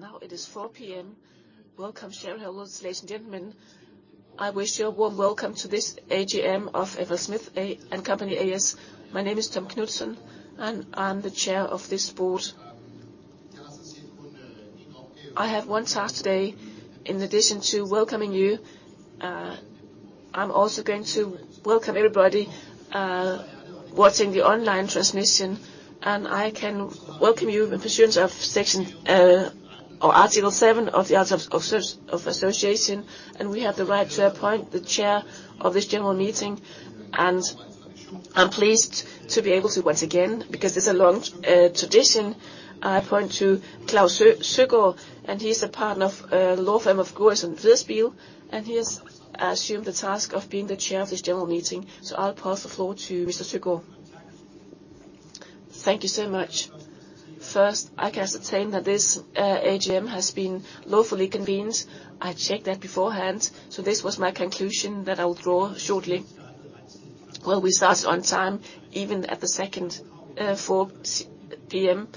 Now it is 4:00 A.M. Welcome shareholders, ladies, and gentlemen. I wish you a warm welcome to this AGM of FLSmidth & Co. A/S. My name is Tom Knutzen, I'm the Chairman of this board. I have one task today. In addition to welcoming you, I'm also going to welcome everybody watching the online transmission, I can welcome you in pursuance of section or article 7 of the articles of association. We have the right to appoint the Chairman of this general meeting. I'm pleased to be able to once again, because it's a long tradition, I appoint to Klaus Søgaard. He is a Partner of law firm of Gorrissen Federspiel. He has assumed the task of being the Chairman of this general meeting. I'll pass the floor to Mr. Søgaard.. Thank you so much. First, I can ascertain that this AGM has been lawfully convened. I checked that beforehand, this was my conclusion that I will draw shortly. Well, we started on time, even at the second 4:00 P.M.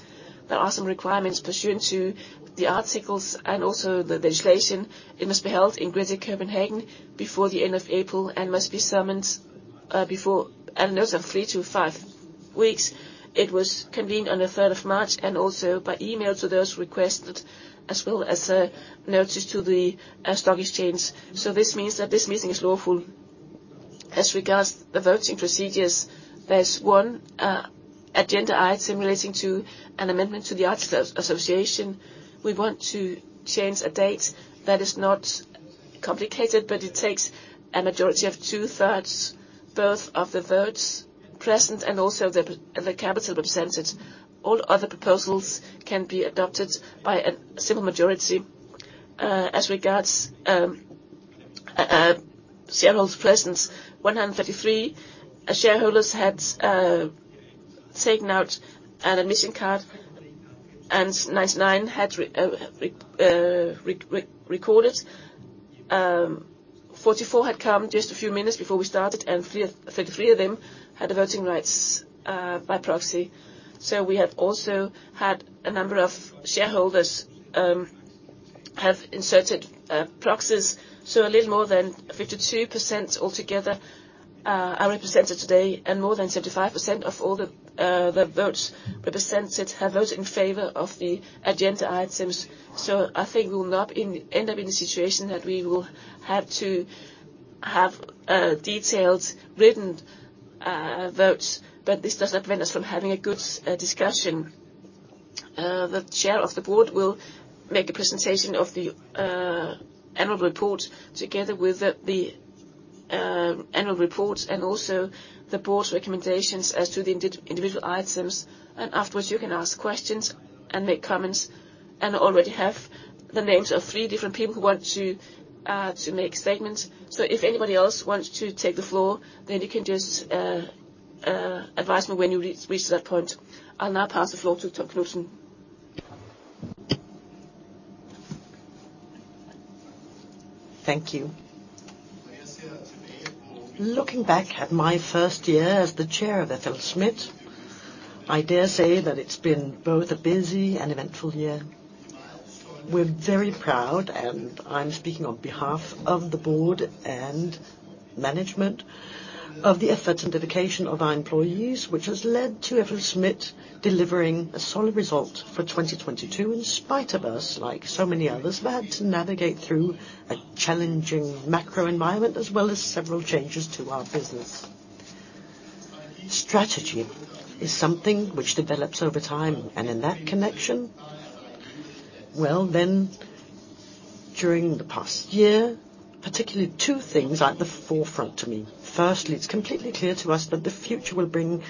There are some requirements pursuant to the articles and also the legislation. It must be held in Greater Copenhagen before the end of April and must be summoned before and those are three to five weeks. It was convened on the third of March and also by email to those requested, as well as notice to the stock exchange. This means that this meeting is lawful. As regards the voting procedures, there's one agenda item relating to an amendment to the articles of association. We want to change a date. That is not complicated, but it takes a majority of two-thirds, both of the votes present and also the capital represented. All other proposals can be adopted by a simple majority. As regards shareholders' presence, 133 shareholders had taken out an admission card, and 99 had recorded. 44 had come just a few minutes before we started, and 33 of them had the voting rights by proxy. We have also had a number of shareholders have inserted proxies, a little more than 52% altogether are represented today, and more than 75% of all the votes represented have voted in favor of the agenda items. I think we will not end up in a situation that we will have to have detailed written votes, but this does not prevent us from having a good discussion. The chair of the board will make a presentation of the annual report together with the annual report and also the board's recommendations as to the individual items, and afterwards you can ask questions and make comments. I already have the names of three different people who want to make statements. If anybody else wants to take the floor, then you can just advise me when you reach that point. I'll now pass the floor to Tom Knutzen. Thank you. Looking back at my first year as the Chair of FLSmidth, I dare say that it's been both a busy and eventful year. We're very proud, and I'm speaking on behalf of the board and management, of the effort and dedication of our employees, which has led to FLSmidth delivering a solid result for 2022, in spite of us, like so many others, have had to navigate through a challenging macro environment as well as several changes to our business. Strategy is something which develops over time, and in that connection, well then, during the past year, particularly two things are at the forefront to me. Firstly, it's completely clear to us that the future will bring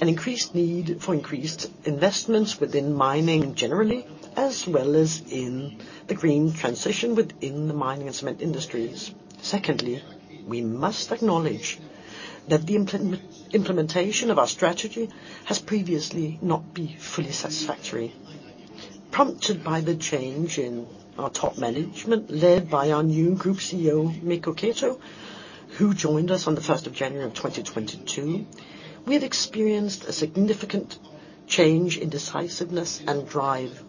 an increased need for increased investments within Mining generally, as well as in the green transition within the Mining and Cement industries. Secondly, we must acknowledge that the implementation of our strategy has previously not been fully satisfactory. Prompted by the change in our top management, led by our new group CEO, Mikko Keto, who joined us on the 1st of January of 2022, we have experienced a significant change in decisiveness and drive.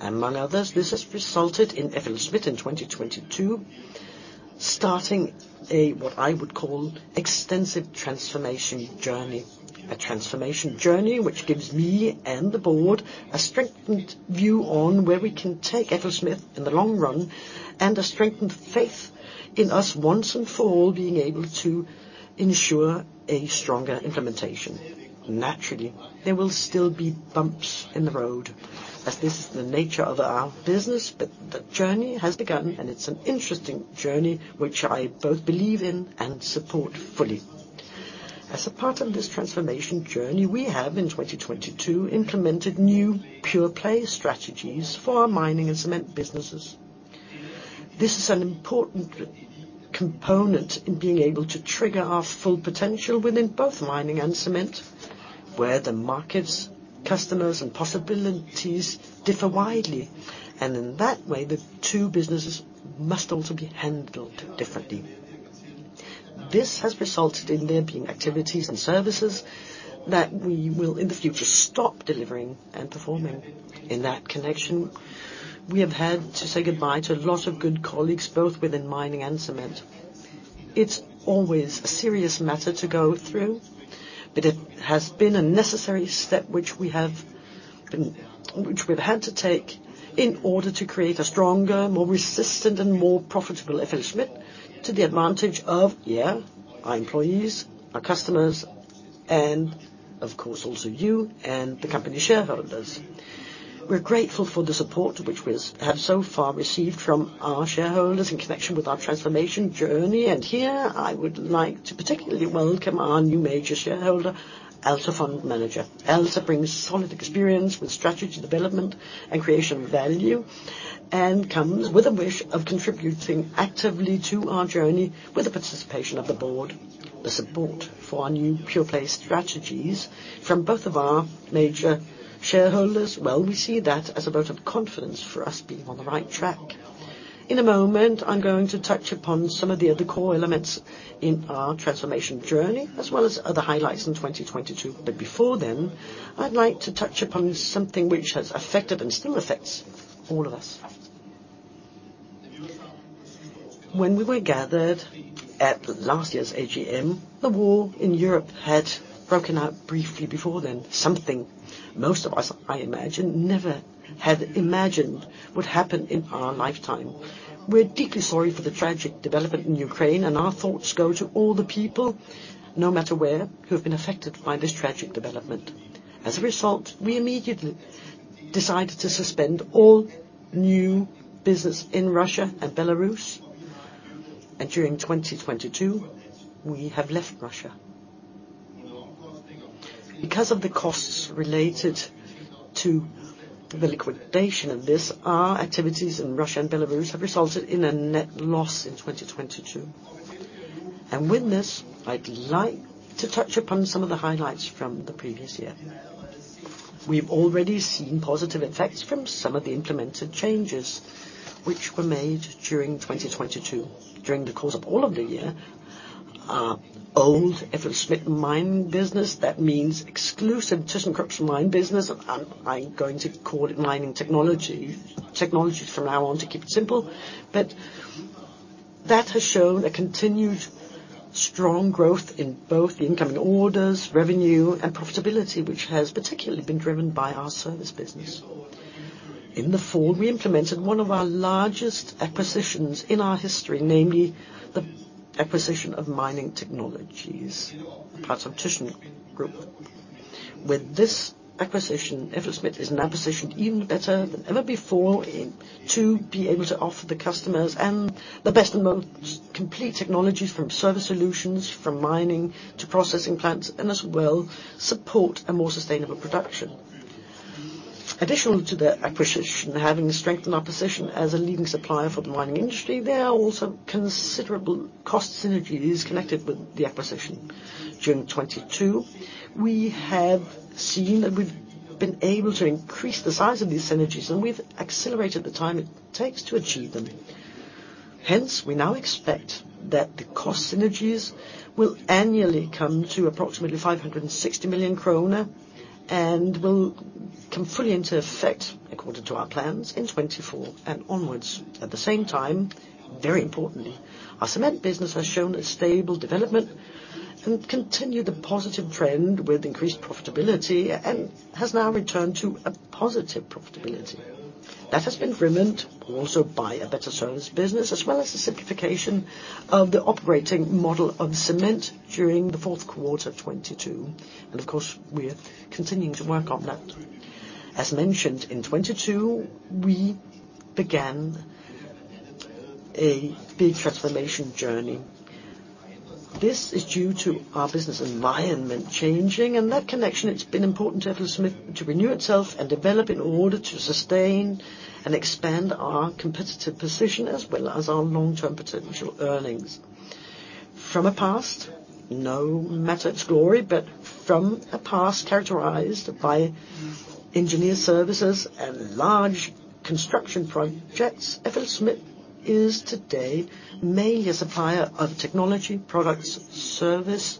Among others, this has resulted in FLSmidth in 2022 starting a, what I would call, extensive transformation journey. A transformation journey which gives me and the board a strengthened view on where we can take FLSmidth in the long run and a strengthened faith in us once and for all being able to ensure a stronger implementation. Naturally, there will still be bumps in the road, as this is the nature of our business, but the journey has begun, and it's an interesting journey which I both believe in and support fully. As a part of this transformation journey, we have in 2022 implemented new pure-play strategies for our Mining and Cement businesses. This is an important component in being able to trigger our full potential within both Mining and Cement, where the markets, customers, and possibilities differ widely. In that way, the two businesses must also be handled differently. This has resulted in there being activities and services that we will, in the future, stop delivering and performing. In that connection, we have had to say goodbye to a lot of good colleagues, both within Mining and Cement. It's always a serious matter to go through, but it has been a necessary step which we've had to take in order to create a stronger, more resistant, and more profitable FLSmidth to the advantage of, yeah, our employees, our customers, and of course, also you and the company shareholders. We're grateful for the support which we have so far received from our shareholders in connection with our transformation journey. Here, I would like to particularly welcome our new major shareholder, Altor Fund Manager. Altor brings solid experience with strategy development and creation of value, and comes with a wish of contributing actively to our journey with the participation of the board, the support for our new pure-play strategies from both of our major shareholders. Well, we see that as a vote of confidence for us being on the right track. In a moment, I'm going to touch upon some of the other core elements in our transformation journey, as well as other highlights in 2022. Before then, I'd like to touch upon something which has affected, and still affects, all of us. When we were gathered at last year's AGM, the war in Europe had broken out briefly before then. Something most of us, I imagine, never had imagined would happen in our lifetime. We're deeply sorry for the tragic development in Ukraine, Our thoughts go to all the people, no matter where, who have been affected by this tragic development. As a result, we immediately decided to suspend all new business in Russia and Belarus. During 2022, we have left Russia. Because of the costs related to the liquidation of this, our activities in Russia and Belarus have resulted in a net loss in 2022. With this, I'd like to touch upon some of the highlights from the previous year. We've already seen positive effects from some of the implemented changes which were made during 2022. During the course of all of the year, our old FLSmidth Mining business, that means exclusive Thyssenkrupp's Mining business, I'm going to call it Mining Technologies from now on to keep it simple. That has shown a continued strong growth in both the incoming orders, revenue, and profitability, which has particularly been driven by our service business. In the fall, we implemented one of our largest acquisitions in our history, namely the acquisition of Mining Technologies, a part of Thyssenkrupp group. With this acquisition, FLSmidth is now positioned even better than ever before to be able to offer the customers and the best and most complete technologies from service solutions, from Mining to processing plants, and as well, support a more sustainable production. Additional to the acquisition, having strengthened our position as a leading supplier for the Mining industry, there are also considerable cost synergies connected with the acquisition. During 2022, we have seen that we've been able to increase the size of these synergies, and we've accelerated the time it takes to achieve them. Hence, we now expect that the cost synergies will annually come to approximately 560 million kroner, and will come fully into effect, according to our plans, in 2024 and onwards. At the same time, very importantly, our Cement business has shown a stable development and continued a positive trend with increased profitability, and has now returned to a positive profitability. That has been driven also by a better service business, as well as the simplification of the operating model of Cement during the fourth quarter of 22. Of course, we're continuing to work on that. As mentioned, in 22, we began a big transformation journey. This is due to our business environment changing, in that connection it's been important to FLSmidth to renew itself and develop in order to sustain and expand our competitive position, as well as our long-term potential earnings. From a past, no matter its glory, but from a past characterized by engineer services and large construction projects, FLSmidth is today mainly a supplier of technology, products, service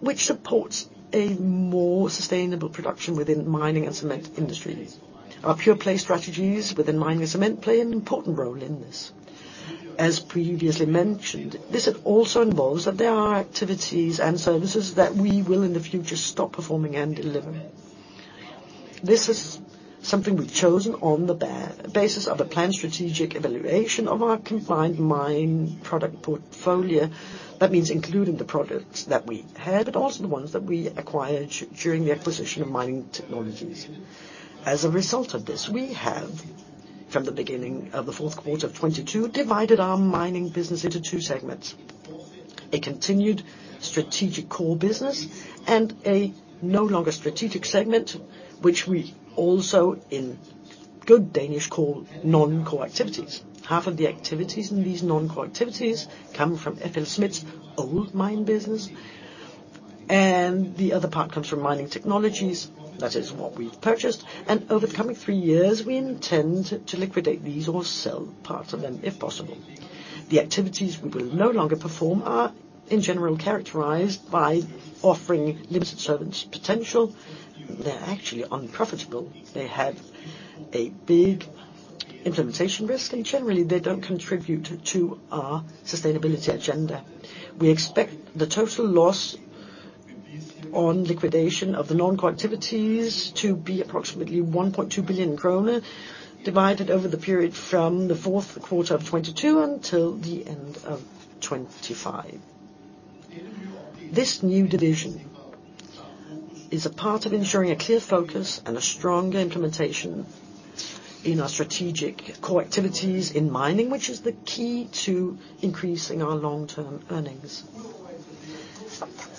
which supports a more sustainable production within the Mining and Cement industry. Our pure-play strategies within Mining and Cement play an important role in this. As previously mentioned, this also involves that there are activities and services that we will, in the future, stop performing and delivering. This is something we've chosen on the basis of a planned strategic evaluation of our combined mine product portfolio. That means including the products that we had, but also the ones that we acquired during the acquisition of Mining Technologies. As a result of this, we have, from the beginning of the fourth quarter of 2022, divided our Mining business into two segments. A continued strategic core business, a no longer strategic segment, which we also in good Danish call non-core activities. Half of the activities in these non-core activities come from FLSmidth's old mine business. The other part comes from Mining Technologies, that is what we've purchased. Over the coming 3 years, we intend to liquidate these or sell parts of them if possible. The activities we will no longer perform are, in general, characterized by offering limited service potential. They're actually unprofitable. They have a big implementation risk, and generally, they don't contribute to our sustainability agenda. We expect the total loss on liquidation of the non-core activities to be approximately 1.2 billion krone, divided over the period from the fourth quarter of 2022 until the end of 2025. This new division is a part of ensuring a clear focus and a stronger implementation in our strategic core activities in Mining, which is the key to increasing our long-term earnings.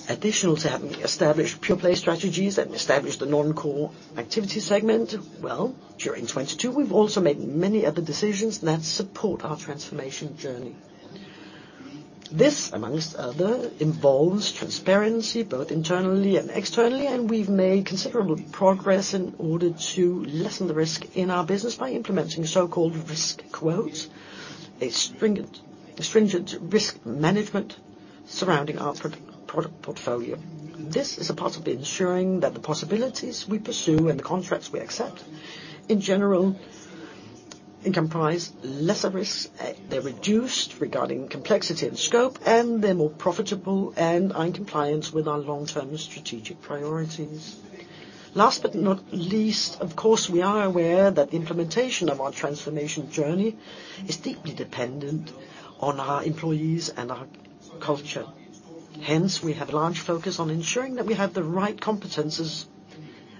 Additional to having established pure-play strategies and established the non-core activity segment, well, during 22, we've also made many other decisions that support our transformation journey. This, amongst other, involves transparency, both internally and externally, and we've made considerable progress in order to lessen the risk in our business by implementing so-called risk quotas, a stringent risk management surrounding our product portfolio. This is a part of ensuring that the possibilities we pursue and the contracts we accept, in general, comprise lesser risk. They're reduced regarding complexity and scope, and they're more profitable and are in compliance with our long-term strategic priorities. Last but not least, of course, we are aware that the implementation of our transformation journey is deeply dependent on our employees and our culture. We have a large focus on ensuring that we have the right competencies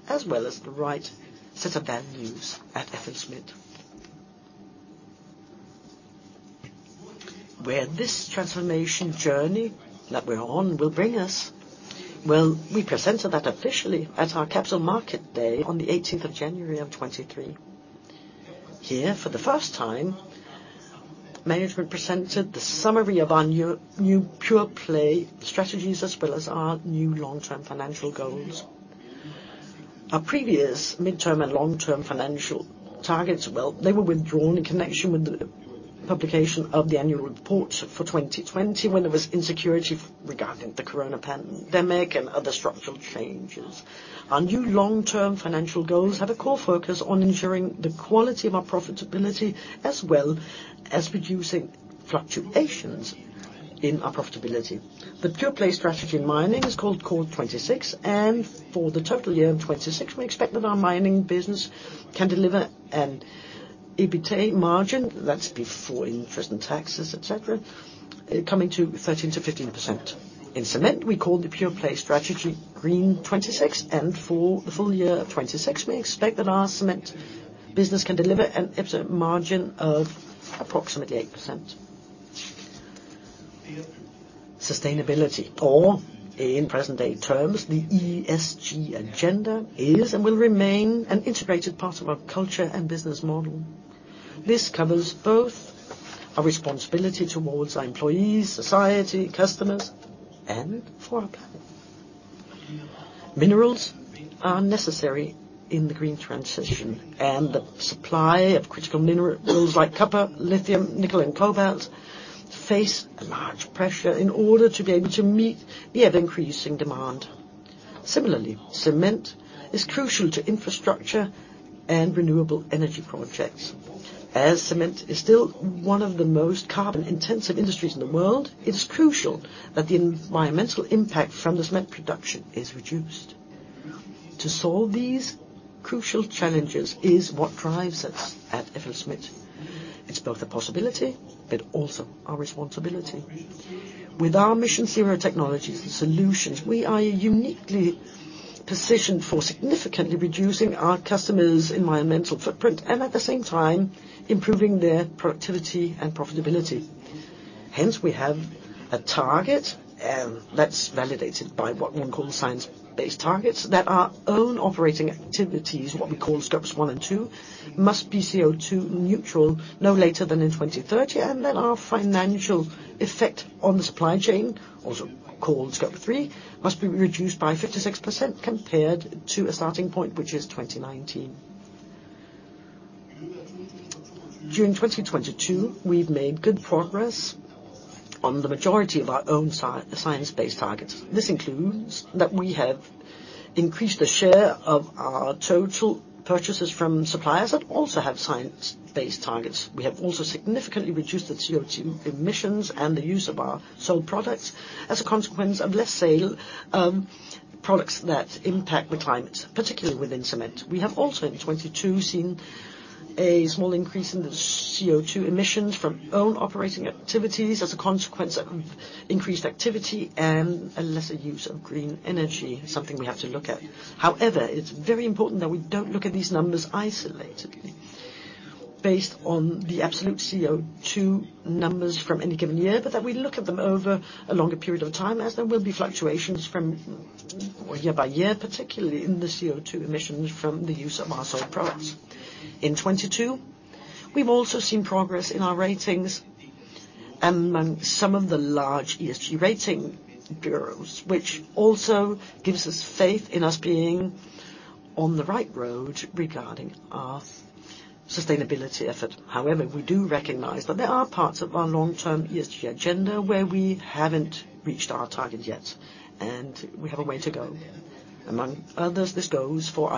as well as the right set of values at FLSmidth. Where this transformation journey that we're on will bring us, well, we presented that officially at our Capital Markets Day on the 18th of January 2023. Here, for the first time, management presented the summary of our new pure-play strategies as well as our new long-term financial goals. Our previous midterm and long-term financial targets, well, they were withdrawn in connection with the publication of the annual report for 2020 when there was insecurity regarding the coronavirus pandemic and other structural changes. Our new long-term financial goals have a core focus on ensuring the quality of our profitability as well as reducing fluctuations in our profitability. The pure-play strategy in Mining is called CORE'26. For the total year of 2026, we expect that our Mining business can deliver an EBITA margin, that's before interest and taxes, et cetera, coming to 13%-15%. In Cement, we call the pure-play strategy GREEN'26. For the full year of 2026, we expect that our Cement business can deliver an EBITA margin of approximately 8%. Sustainability or in present day terms, the ESG agenda is and will remain an integrated part of our culture and business model. This covers both our responsibility towards our employees, society, customers, and for our planet. Minerals are necessary in the green transition, and the supply of critical minerals like copper, lithium, nickel, and cobalt face a large pressure in order to be able to meet the ever-increasing demand. Similarly, Cement is crucial to infrastructure and renewable energy projects. As Cement is still one of the most carbon intensive industries in the world, it is crucial that the environmental impact from the Cement production is reduced. To solve these crucial challenges is what drives us at FLSmidth. It's both a possibility, but also our responsibility. With our MissionZero technologies and solutions, we are uniquely positioned for significantly reducing our customers' environmental footprint and at the same time, improving their productivity and profitability. We have a target, and that's validated by what one calls Science-Based Targets, that our own operating activities, what we call Scope 1 and 2, must be CO₂ neutral no later than in 2030, and that our financial effect on the supply chain, also called Scope 3, must be reduced by 56% compared to a starting point, which is 2019. During 2022, we've made good progress on the majority of our own Science-Based Targets. This includes that we have increased the share of our total purchases from suppliers that also have Science-Based Targets. We have also significantly reduced the CO₂ emissions and the use of our sold products as a consequence of less sale of products that impact the climate, particularly within Cement. We have also in 2022 seen a small increase in the CO₂ emissions from own operating activities as a consequence of increased activity and a lesser use of green energy, something we have to look at. It's very important that we don't look at these numbers isolated based on the absolute CO₂ numbers from any given year, but that we look at them over a longer period of time as there will be fluctuations year by year, particularly in the CO₂ emissions from the use of our sold products. In 2022, we've also seen progress in our ratings among some of the large ESG rating bureaus, which also gives us faith in us being on the right road regarding our sustainability effort. We do recognize that there are parts of our long-term ESG agenda where we haven't reached our target yet, and we have a way to go. Among others, this goes for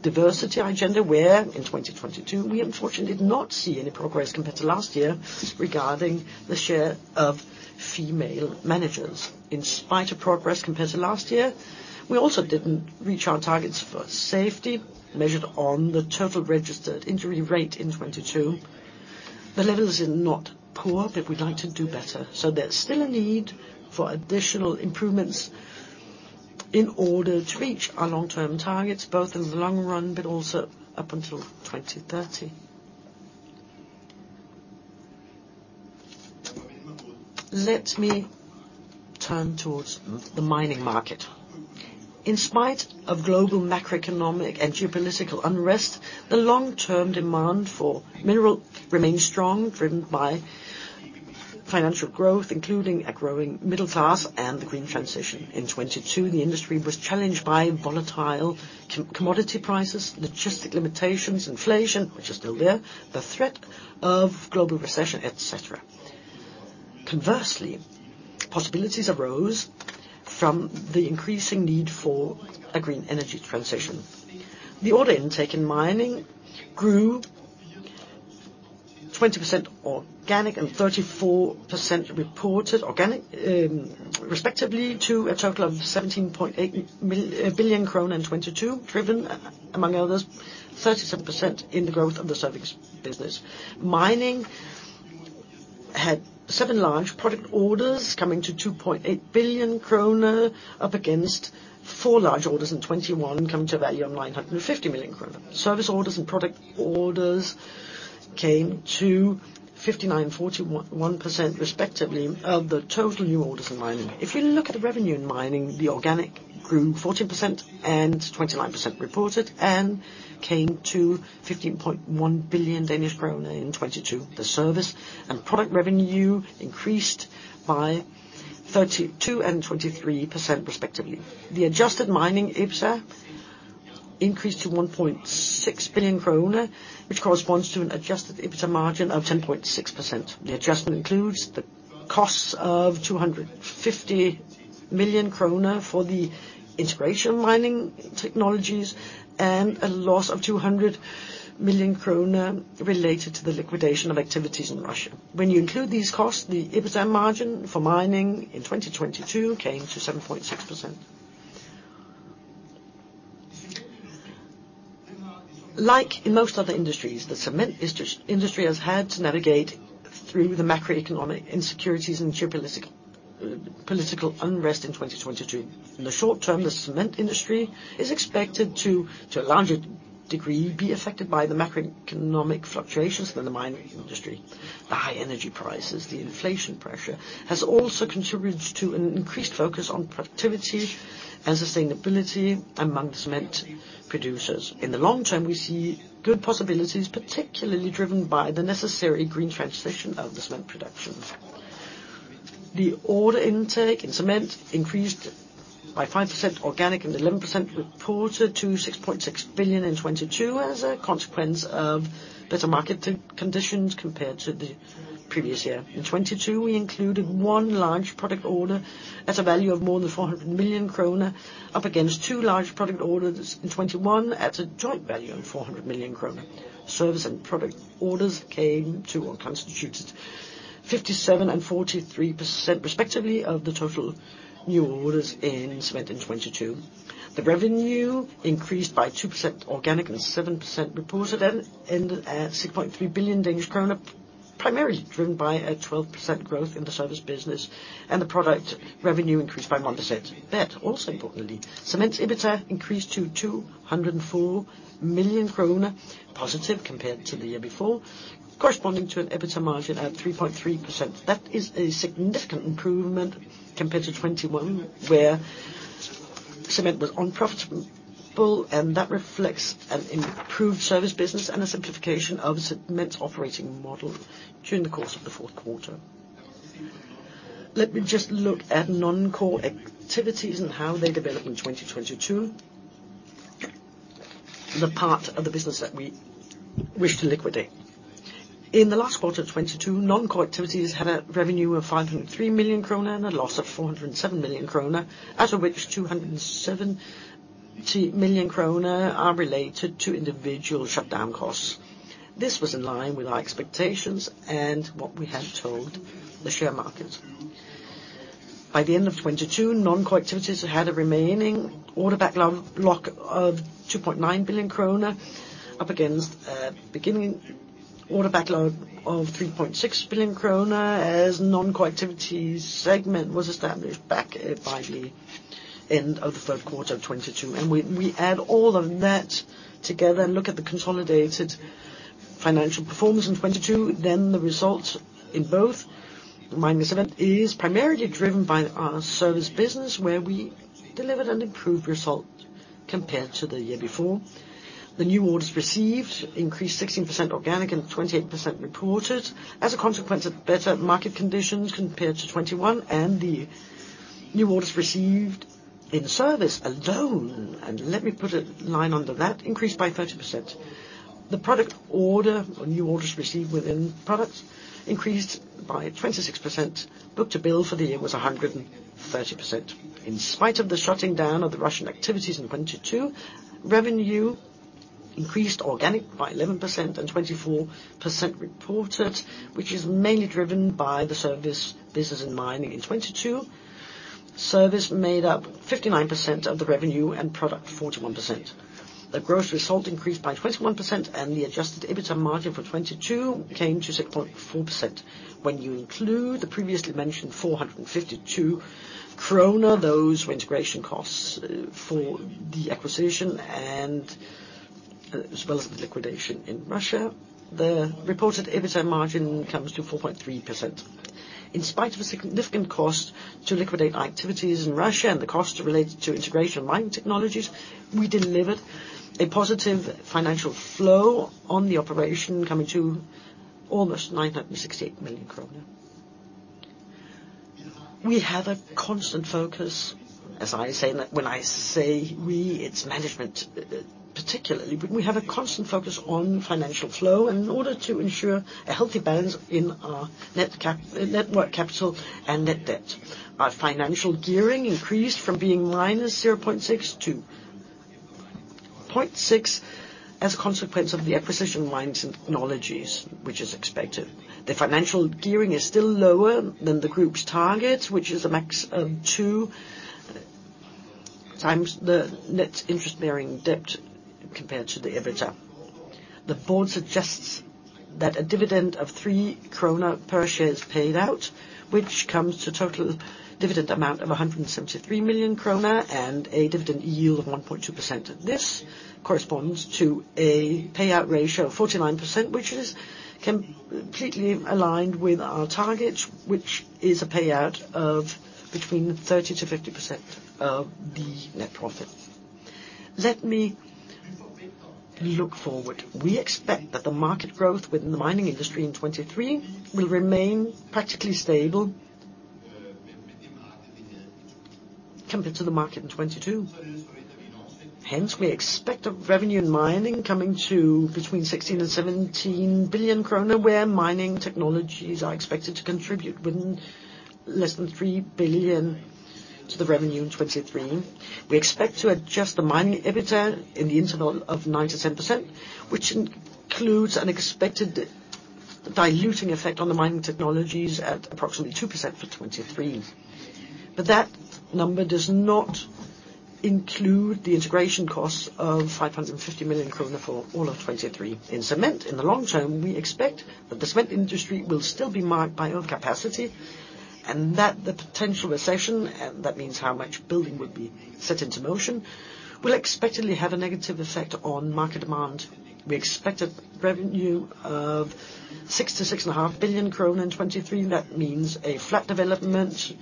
our diversity agenda, where in 2022, we unfortunately did not see any progress compared to last year regarding the share of female managers. In spite of progress compared to last year, we also didn't reach our targets for safety measured on the Total Recordable Incident Rate in 2022. The levels are not poor, but we'd like to do better. There's still a need for additional improvements in order to reach our long-term targets, both in the long run, but also up until 2030. Let me turn towards the Mining market. In spite of global macroeconomic and geopolitical unrest, the long-term demand for mineral remains strong, driven by financial growth, including a growing middle class and the green transition. In 2022, the industry was challenged by volatile commodity prices, logistic limitations, inflation, which is still there, the threat of global recession, et cetera. Conversely, possibilities arose from the increasing need for a green energy transition. The order intake in Mining grew 20% organic and 34% reported organic, respectively to a total of 17.8 billion krone in 2022, driven among others, 37% in the growth of the service business. Mining had seven large product orders coming to 2.8 billion kroner, up against four large orders in 2021, coming to a value of 950 million kroner. Service orders and product orders came to 59 and 41%, respectively, of the total new orders in Mining. If you look at the revenue in Mining, the organic grew 14% and 29% reported and came to 15.1 billion Danish kroner in 2022. The service and product revenue increased by 32% and 23% respectively. The Adjusted Mining EBITDA increased to 1.6 billion krone, which corresponds to an Adjusted EBITDA margin of 10.6%. The adjustment includes the costs of 250 million kroner for the integration Mining Technologies and a loss of 200 million kroner related to the liquidation of activities in Russia. When you include these costs, the EBITDA margin for Mining in 2022 came to 7.6%. Like in most other industries, the Cement industry has had to navigate through the macroeconomic insecurities and geopolitical political unrest in 2022. In the short term, the Cement industry is expected to a larger degree, be affected by the macroeconomic fluctuations than the Mining industry. The high energy prices, the inflation pressure, has also contributed to an increased focus on productivity and sustainability among Cement producers. In the long term, we see good possibilities, particularly driven by the necessary green transition of the Cement production. The order intake in Cement increased by 5% organic and 11% reported to 6.6 billion in 2022 as a consequence of better market conditions compared to the previous year. In 2022, we included one large product order at a value of more than 400 million kroner, up against two large product orders in 2021 at a joint value of 400 million kroner. Service and product orders came to or constituted 57% and 43% respectively of the total new orders in Cement in 2022. The revenue increased by 2% organic and 7% reported and ended at DKK 6.3 billion, primarily driven by a 12% growth in the service business and the product revenue increased by 1%. That also importantly, Cement's EBITDA increased to 204 million kroner positive compared to the year before, corresponding to an EBITDA margin at 3.3%. That is a significant improvement compared to 2021, where Cement was unprofitable. That reflects an improved service business and a simplification of Cement's operating model during the course of the fourth quarter. Let me just look at non-core activities and how they developed in 2022, the part of the business that we wish to liquidate. In the last quarter of 2022, non-core activities had a revenue of 503 million kroner and a loss of 407 million kroner, out of which 270 million kroner are related to individual shutdown costs. This was in line with our expectations and what we had told the share market. By the end of 2022, non-core activities had a remaining order backlog of 2.9 billion kroner, up against a beginning order backlog of 3.6 billion kroner as non-core activities segment was established back by the end of the third quarter of 2022. When we add all of that together and look at the consolidated financial performance in 2022, then the results in both Mining and Cement is primarily driven by our service business, where we delivered an improved result. Compared to the year before. The new orders received increased 16% organic and 28% reported. As a consequence of better market conditions compared to 2021, the new orders received in service alone, and let me put a line under that, increased by 30%. The product order or new orders received within products increased by 26%. Book-to-bill for the year was 130%. In spite of the shutting down of the Russian activities in 2022, revenue increased organic by 11% and 24% reported, which is mainly driven by the service business in Mining in 2022. Service made up 59% of the revenue and product 41%. The gross result increased by 21% and the Adjusted EBITDA margin for 2022 came to 6.4%. When you include the previously mentioned 452 kroner, those were integration costs for the acquisition and as well as the liquidation in Russia. The reported EBITDA margin comes to 4.3%. In spite of the significant cost to liquidate activities in Russia and the cost related to integration Mining Technologies, we delivered a positive financial flow on the operation coming to almost 968 million kroner. We have a constant focus, as I say, when I say we, it's management particularly. We have a constant focus on financial flow and in order to ensure a healthy balance in our net work capital and net debt. Our financial gearing increased from being -0.6 to 0.6 as a consequence of the acquisition Mining Technologies, which is expected. The financial gearing is still lower than the group's target, which is a max of two times the net interest-bearing debt compared to the EBITDA. The board suggests that a dividend of 3 krone per share is paid out, which comes to total dividend amount of 173 million krone and a dividend yield of 1.2%. This corresponds to a payout ratio of 49%, which is completely aligned with our target, which is a payout of between 30%-50% of the net profit. Let me look forward. We expect that the market growth within the mining industry in 2023 will remain practically stable compared to the market in 2022. Hence, we expect a revenue in Mining coming to between 16 billion and 17 billion kroner, where Mining Technologies are expected to contribute within less than 3 billion to the revenue in 2023. We expect to adjust the Mining EBITDA in the interval of 9%-10%, which includes an expected diluting effect on the Mining Technologies at approximately 2% for 2023. That number does not include the integration costs of 550 million krone for all of 2023. In Cement, in the long term, we expect that the Cement industry will still be marked by over capacity and that the potential recession, and that means how much building would be set into motion, will expectedly have a negative effect on market demand. We expect a revenue of 6 billion-6.5 billion krone in 2023. That means a flat development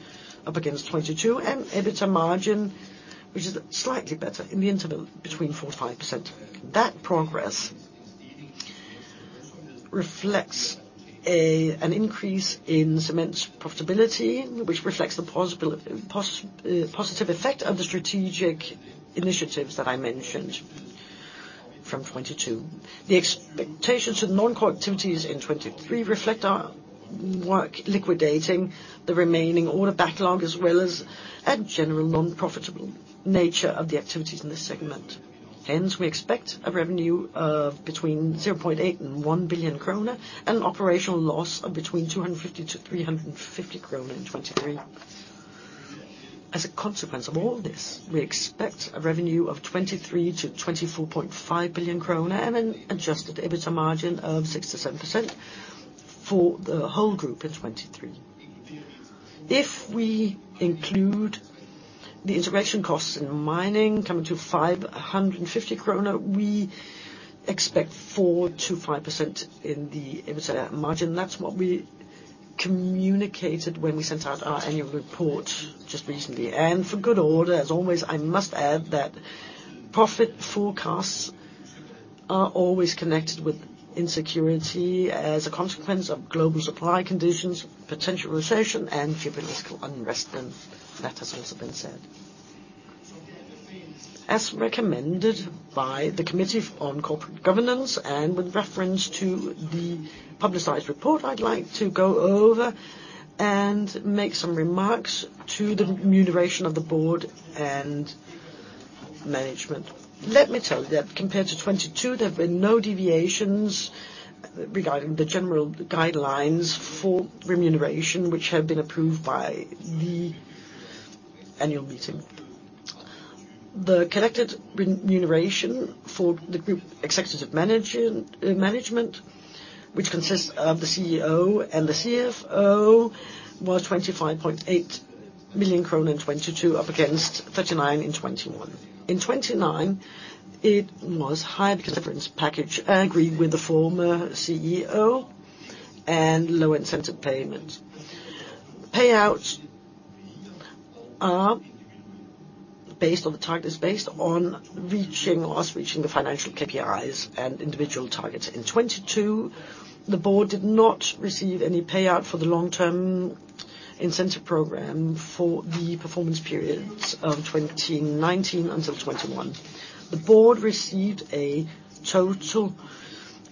up against 2022 and EBITDA margin, which is slightly better in the interval between 4%-5%. That progress reflects an increase in Cement profitability, which reflects the positive effect of the strategic initiatives that I mentioned from 2022. The expectations with non-core activities in 2023 reflect our work liquidating the remaining order backlog, as well as a general non-profitable nature of the activities in this segment. We expect a revenue of between 0.8 billion and 1 billion kroner and an operational loss of between 250-350 kroner in 2023. As a consequence of all this, we expect a revenue of 23 billion-24.5 billion kroner and an Adjusted EBITDA margin of 6%-7% for the whole group in 2023. If we include the integration costs in Mining coming to 550 kroner, we expect 4%-5% in the EBITDA margin. That's what we communicated when we sent out our annual report just recently. For good order, as always, I must add that profit forecasts are always connected with insecurity as a consequence of global supply conditions, potential recession, and geopolitical unrest. That has also been said. As recommended by the Committee on Corporate Governance and with reference to the publicized report, I'd like to go over and make some remarks to the remuneration of the board and management. Let me tell you that compared to 2022, there have been no deviations regarding the general guidelines for remuneration, which have been approved by the annual meeting. The collected remuneration for the group executive management, which consists of the CEO and the CFO, was 25.8 million in 2022, up against 39 million in 2021. In 2019, it was high because of reference package agreed with the former CEO. Low incentive payments. Payouts are based on the targets, based on reaching or us reaching the financial KPIs and individual targets. In 2022, the board did not receive any payout for the long-term incentive program for the performance periods of 2019 until 2021. The board received a total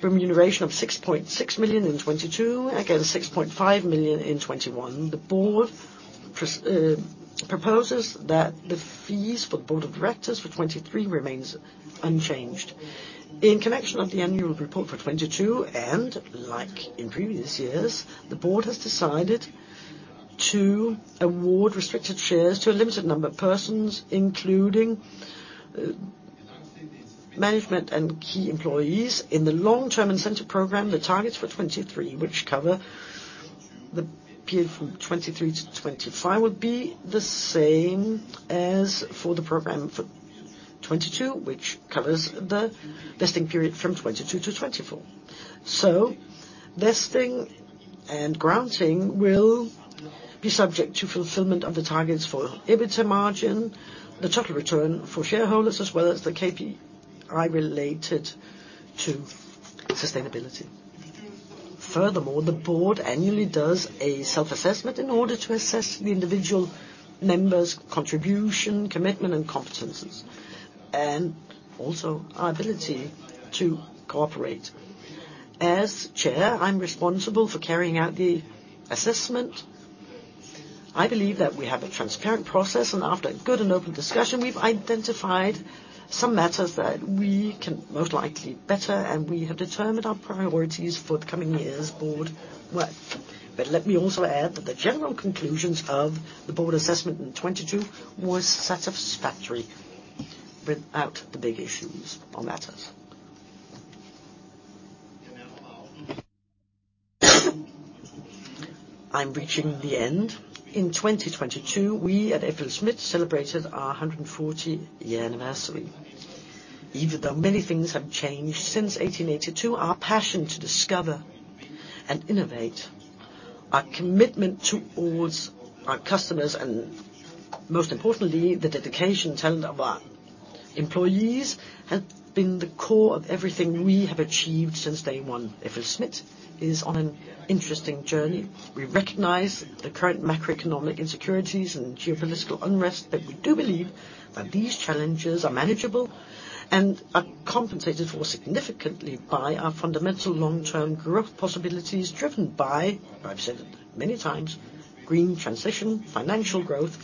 remuneration of 6.6 million in 2022, again, 6.5 million in 2021. The board proposes that the fees for the board of directors for 2023 remains unchanged. In connection of the annual report for 2022, and like in previous years, the board has decided to award restricted shares to a limited number of persons, including management and key employees. In the long-term incentive program, the targets for 2023, which cover the period from 2023 to 2025, would be the same as for the program for 2022, which covers the vesting period from 2022 to 2024. Vesting and granting will be subject to fulfillment of the targets for EBITDA margin, the total return for shareholders, as well as the KPI related to sustainability. Furthermore, the board annually does a self-assessment in order to assess the individual member's contribution, commitment, and competencies, and also our ability to cooperate. As chair, I'm responsible for carrying out the assessment. I believe that we have a transparent process, and after a good and open discussion, we've identified some matters that we can most likely better, and we have determined our priorities for the coming year's board work. Let me also add that the general conclusions of the board assessment in 2022 was satisfactory without the big issues or matters. I'm reaching the end. In 2022, we at FLSmidth celebrated our 140 year anniversary. Even though many things have changed since 1882, our passion to discover and innovate, our commitment towards our customers and most importantly, the dedication talent of our employees, have been the core of everything we have achieved since day one. FLSmidth is on an interesting journey. We recognize the current macroeconomic insecurities and geopolitical unrest, we do believe that these challenges are manageable and are compensated for significantly by our fundamental long-term growth possibilities, driven by, I've said it many times, green transition, financial growth,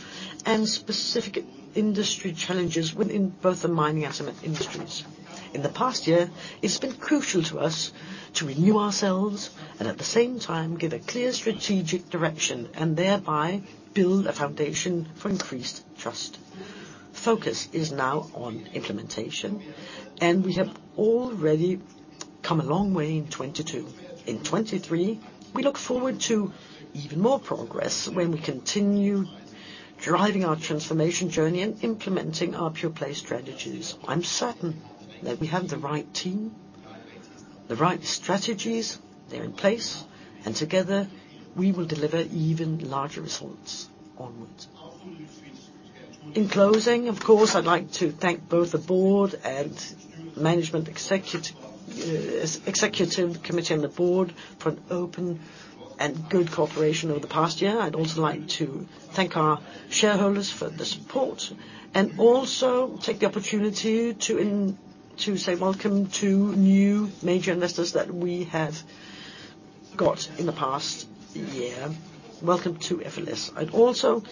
and specific industry challenges within both the Mining asset and industries. In the past year, it's been crucial to us to renew ourselves, at the same time give a clear strategic direction, thereby build a foundation for increased trust. Focus is now on implementation, we have already come a long way in 2022. In 2023, we look forward to even more progress when we continue driving our transformation journey and implementing our pure-play strategies. I'm certain that we have the right team, the right strategies, they're in place, together we will deliver even larger results onwards. In closing, of course, I'd like to thank both the board and management executive committee and the board for an open and good cooperation over the past year. I'd also like to thank our shareholders for the support, and also take the opportunity to say welcome to new major investors that we have got in the past year. Welcome to FLS. I'd also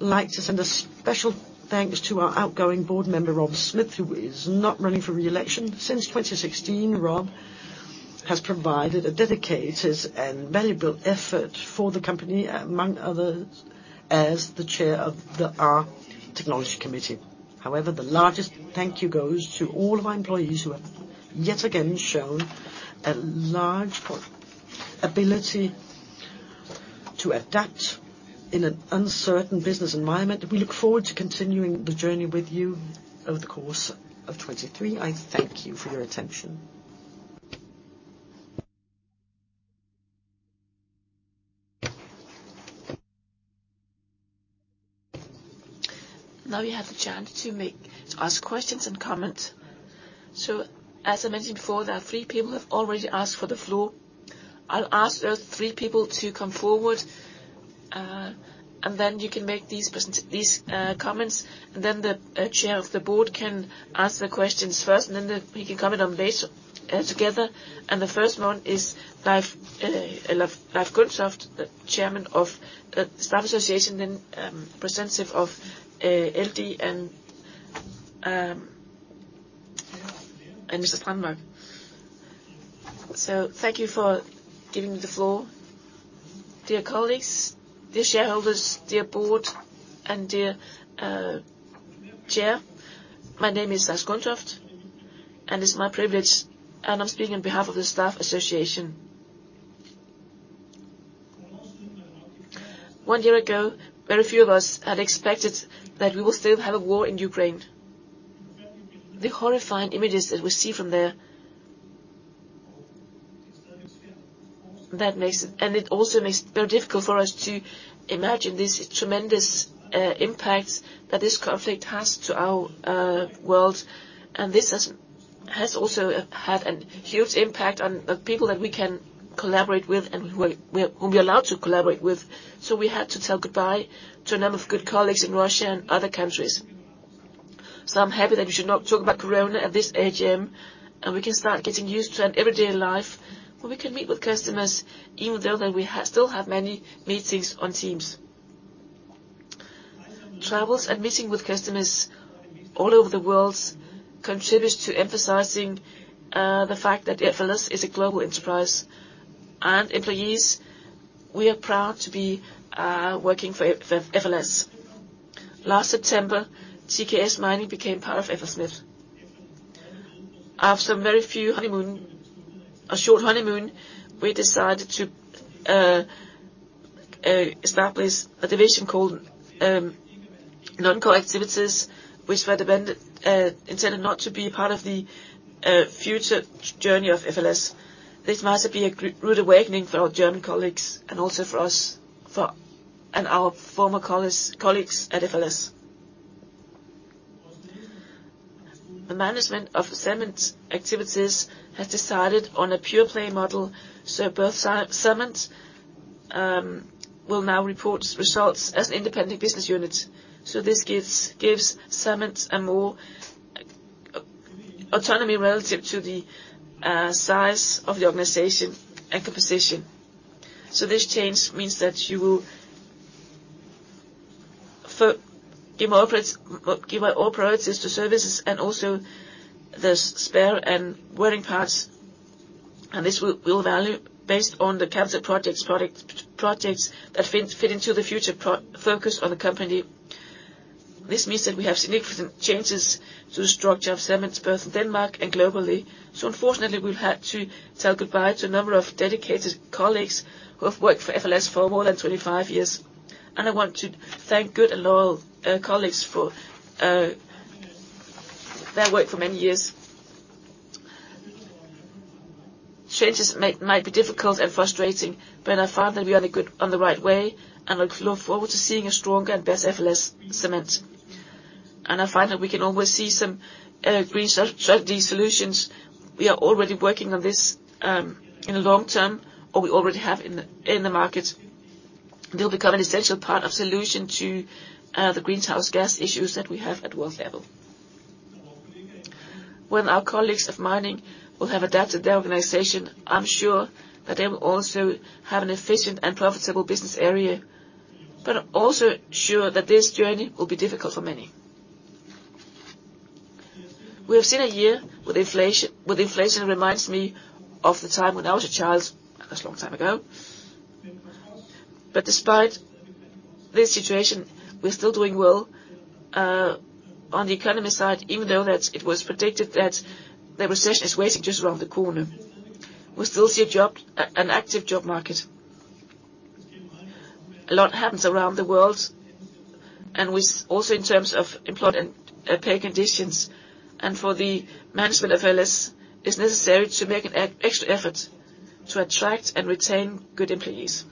like to send a special thanks to our outgoing board member, Rob Smith, who is not running for re-election. Since 2016, Rob has provided a dedicated and valuable effort for the company, among others, as the chair of our technology committee. However, the largest thank you goes to all of our employees who have yet again shown a large ability to adapt in an uncertain business environment. We look forward to continuing the journey with you over the course of 2023. I thank you for your attention. Now you have the chance to ask questions and comments. As I mentioned before, there are three people who have already asked for the floor. I'll ask those three people to come forward, and then you can make These comments, and then the chair of the board can ask the questions first, and then we can comment on base together. The first one is Leif Gundtoft, the chairman of Staff Association and representative of LD and Mr. Brandmark. Thank you for giving me the floor. Dear colleagues, dear shareholders, dear board, and dear Chair, my name is Leif Gundtoft, and it's my privilege, and I'm speaking on behalf of the Staff Association. One year ago, very few of us had expected that we will still have a war in Ukraine. The horrifying images that we see from there. That makes it, and it also makes it very difficult for us to imagine this tremendous impact that this conflict has to our world. This has also had a huge impact on the people that we can collaborate with and who we are allowed to collaborate with. We had to tell goodbye to a number of good colleagues in Russia and other countries. I'm happy that we should not talk about corona at this AGM, and we can start getting used to an everyday life where we can meet with customers, even though that we still have many meetings on Teams. Travels and meeting with customers all over the world contributes to emphasizing the fact that FLSmidth is a global enterprise. Employees, we are proud to be working for FLSmidth. Last September, TK Mining became part of FLSmidth. After very few honeymoon, a short honeymoon, we decided to establish a division called Non-Core Activities, which were then intended not to be part of the future journey of FLS. This must have been a rude awakening for our German colleagues and also for us and our former colleagues at FLS. The management of the Cement activities has decided on a pure-play model, both Cement will now report results as independent business units. This gives Cement a more autonomy relative to the size of the organization and composition. This change means that you will... give our operates as to services and also the spare and wearing parts, this will value based on the canceled projects, product, projects that fit into the future pro-focus of the company. This means that we have significant changes to the structure of Cements, both in Denmark and globally. Unfortunately, we've had to tell goodbye to a number of dedicated colleagues who have worked for FLSmidth for more than 25 years. I want to thank good and loyal colleagues for their work for many years. Changes might be difficult and frustrating, but I find that we are on the right way, I look forward to seeing a stronger and best FLSmidth Cement. I find that we can always see some green strategy solutions. We are already working on this in the long term, we already have in the market. They'll become an essential part of solution to the greenhouse gas issues that we have at world level. When our colleagues of Mining will have adapted their organization, I'm sure that they will also have an efficient and profitable business area, I'm also sure that this journey will be difficult for many. We have seen a year with inflation that reminds me of the time when I was a child. That was a long time ago. Despite this situation, we're still doing well on the economy side, even though that it was predicted that the recession is waiting just around the corner. We still see an active job market. A lot happens around the world, and with also in terms of employee and pay conditions. For the management of FLS, it's necessary to make an extra effort to attract and retain good employees.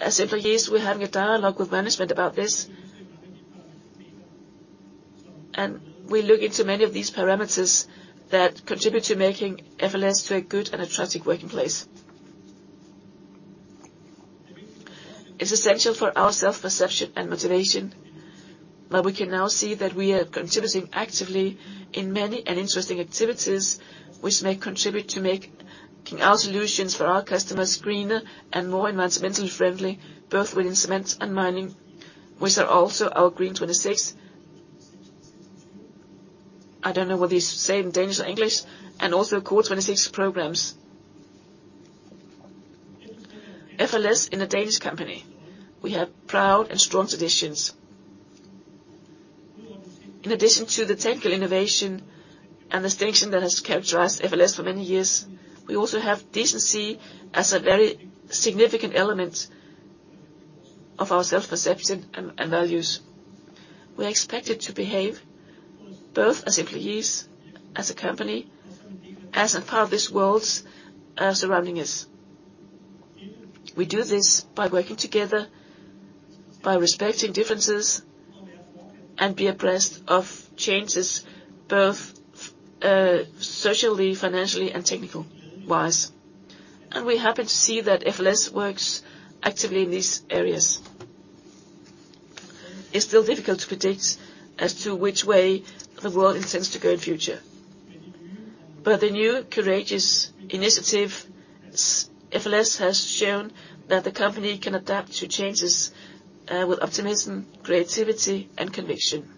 As employees, we're having a dialogue with management about this. We look into many of these parameters that contribute to making FLS to a good and attractive workplace. It's essential for our self-perception and motivation, we can now see that we are contributing actively in many and interesting activities which may contribute to making our solutions for our customers greener and more environmentally friendly, both within Cement and Mining, which are also our GREEN'26. I don't know what they say in Danish or English, also CORE'26 programs. FLS is a Danish company. We have proud and strong traditions. In addition to the technical innovation and distinction that has characterized FLS for many years, we also have decency as a very significant element of our self-perception and values. We are expected to behave both as employees, as a company, as a part of this world's surrounding us. We do this by working together, by respecting differences, and be abreast of changes, both socially, financially, and technical-wise. We're happy to see that FLS works actively in these areas. It's still difficult to predict as to which way the world intends to go in future. But the new courageous initiative FLS has shown that the company can adapt to changes with optimism, creativity, and conviction.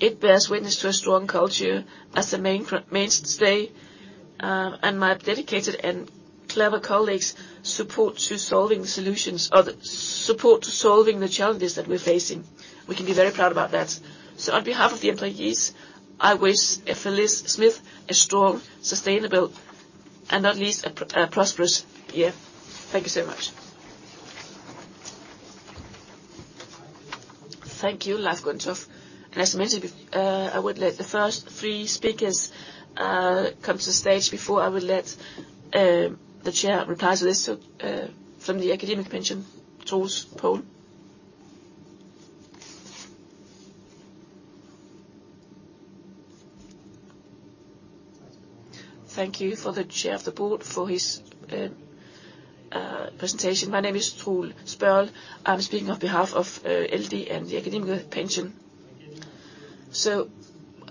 It bears witness to a strong culture as the mainstay and my dedicated and clever colleagues' support to solving the solutions or the support to solving the challenges that we're facing. We can be very proud about that. On behalf of the employees, I wish FLSmidth a strong, sustainable, and at least a prosperous year. Thank you so much. Thank you, Leif Gundtoft. As mentioned, I would let the first three speakers come to the stage before I would let the chair reply to this from the AkademikerPension, Troels Børrild. Thank you for the chair of the board for his presentation. My name is Troels Børrild. I'm speaking on behalf of LD and the AkademikerPension.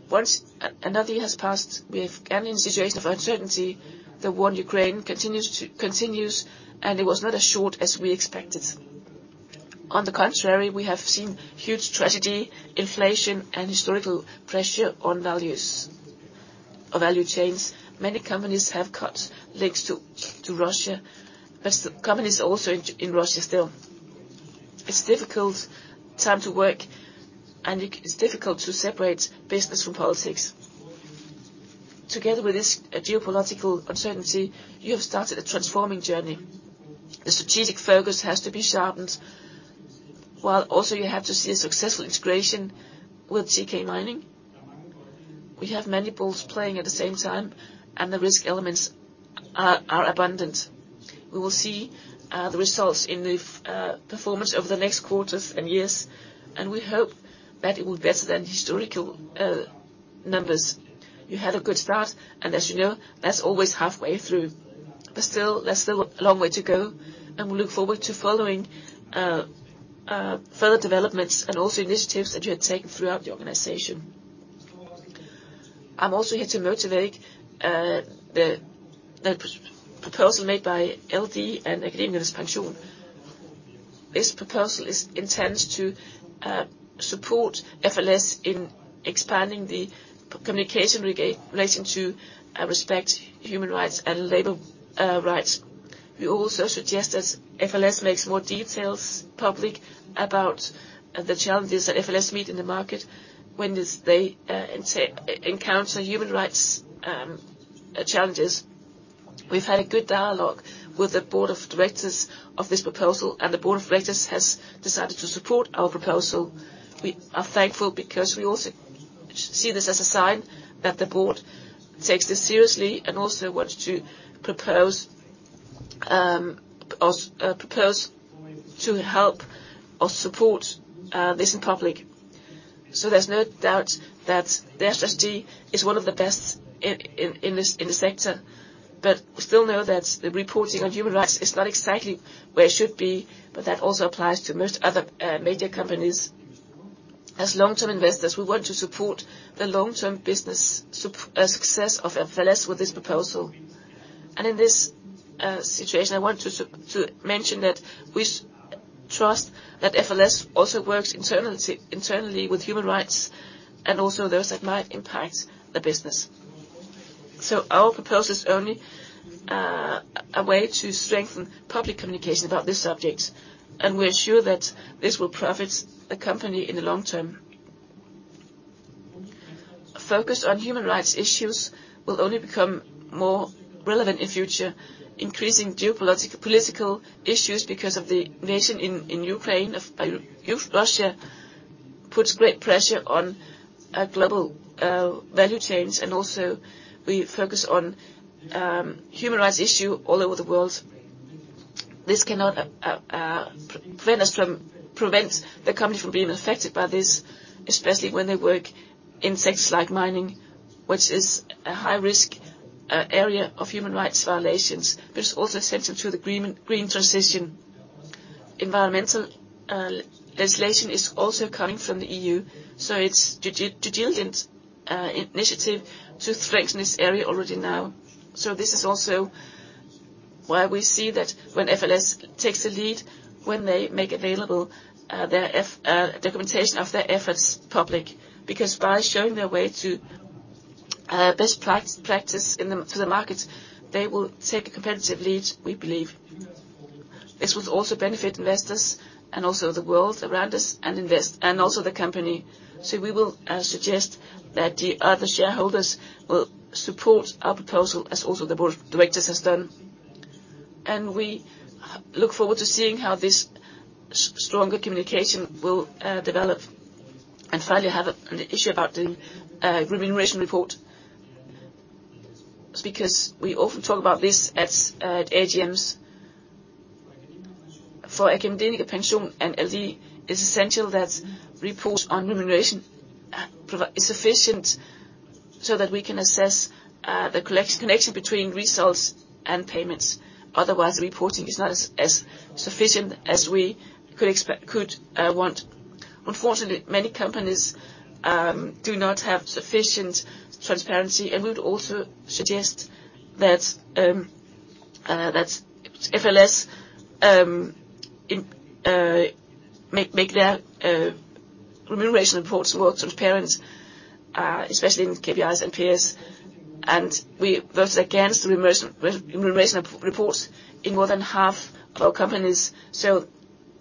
Once another year has passed, we have again been in a situation of uncertainty. The war in Ukraine continues, it was not as short as we expected. On the contrary, we have seen huge tragedy, inflation, and historical pressure on values or value chains. Many companies have cut links to Russia, the company is also in Russia still. It's difficult time to work, it's difficult to separate business from politics. Together with this geopolitical uncertainty, you have started a transforming journey. The strategic focus has to be sharpened, while also you have to see a successful integration with TK Mining. We have many balls playing at the same time, the risk elements are abundant. We will see the results in the performance over the next quarters and years, we hope that it will be better than historical numbers. You had a good start, as you know, that's always halfway through. Still, that's still a long way to go, and we look forward to following further developments and also initiatives that you have taken throughout the organization. I'm also here to motivate the proposal made by LD and AkademikerPension. This proposal is intends to support FLS in expanding the communication relating to respect, human rights, and labor rights. We also suggest that FLS makes more details public about the challenges that FLS meet in the market when does they encounter human rights challenges. We've had a good dialogue with the board of directors of this proposal, the board of directors has decided to support our proposal. We are thankful because we also see this as a sign that the board takes this seriously and also wants to propose to help or support this in public. There's no doubt that the FLS is one of the best in this sector. We still know that the reporting on human rights is not exactly where it should be, but that also applies to most other major companies. As long-term investors, we want to support the long-term business success of FLS with this proposal. In this situation, I want to mention that we trust that FLS also works internally with human rights and also those that might impact the business. Our proposal is only a way to strengthen public communication about this subject, and we're sure that this will profit the company in the long term. Focus on human rights issues will only become more relevant in future, increasing political issues because of the invasion in Ukraine of Russia puts great pressure on global value chains. Also we focus on human rights issue all over the world. This cannot prevent the company from being affected by this, especially when they work in sectors like Mining, which is a high-risk area of human rights violations. It's also central to the green transition. Environmental legislation is also coming from the EU. It's due diligent initiative to strengthen this area already now. This is also why we see that when FLS takes the lead, when they make available their documentation of their efforts public. By showing their way to best practice in the, to the markets, they will take a competitive lead, we believe. This will also benefit investors and also the world around us and invest, and also the company. We will suggest that the other shareholders will support our proposal as also the board of directors has done. We look forward to seeing how this stronger communication will develop. Finally, I have an issue about the remuneration report. We often talk about this at AGMs. For AkademikerPension and LD, it's essential that reports on remuneration provide sufficient so that we can assess the connection between results and payments. Otherwise, the reporting is not as sufficient as we could want. Unfortunately, many companies do not have sufficient transparency. We would also suggest that FLS make their remuneration reports more transparent, especially in KPIs and peers. We voted against remuneration reports in more than half of our companies. The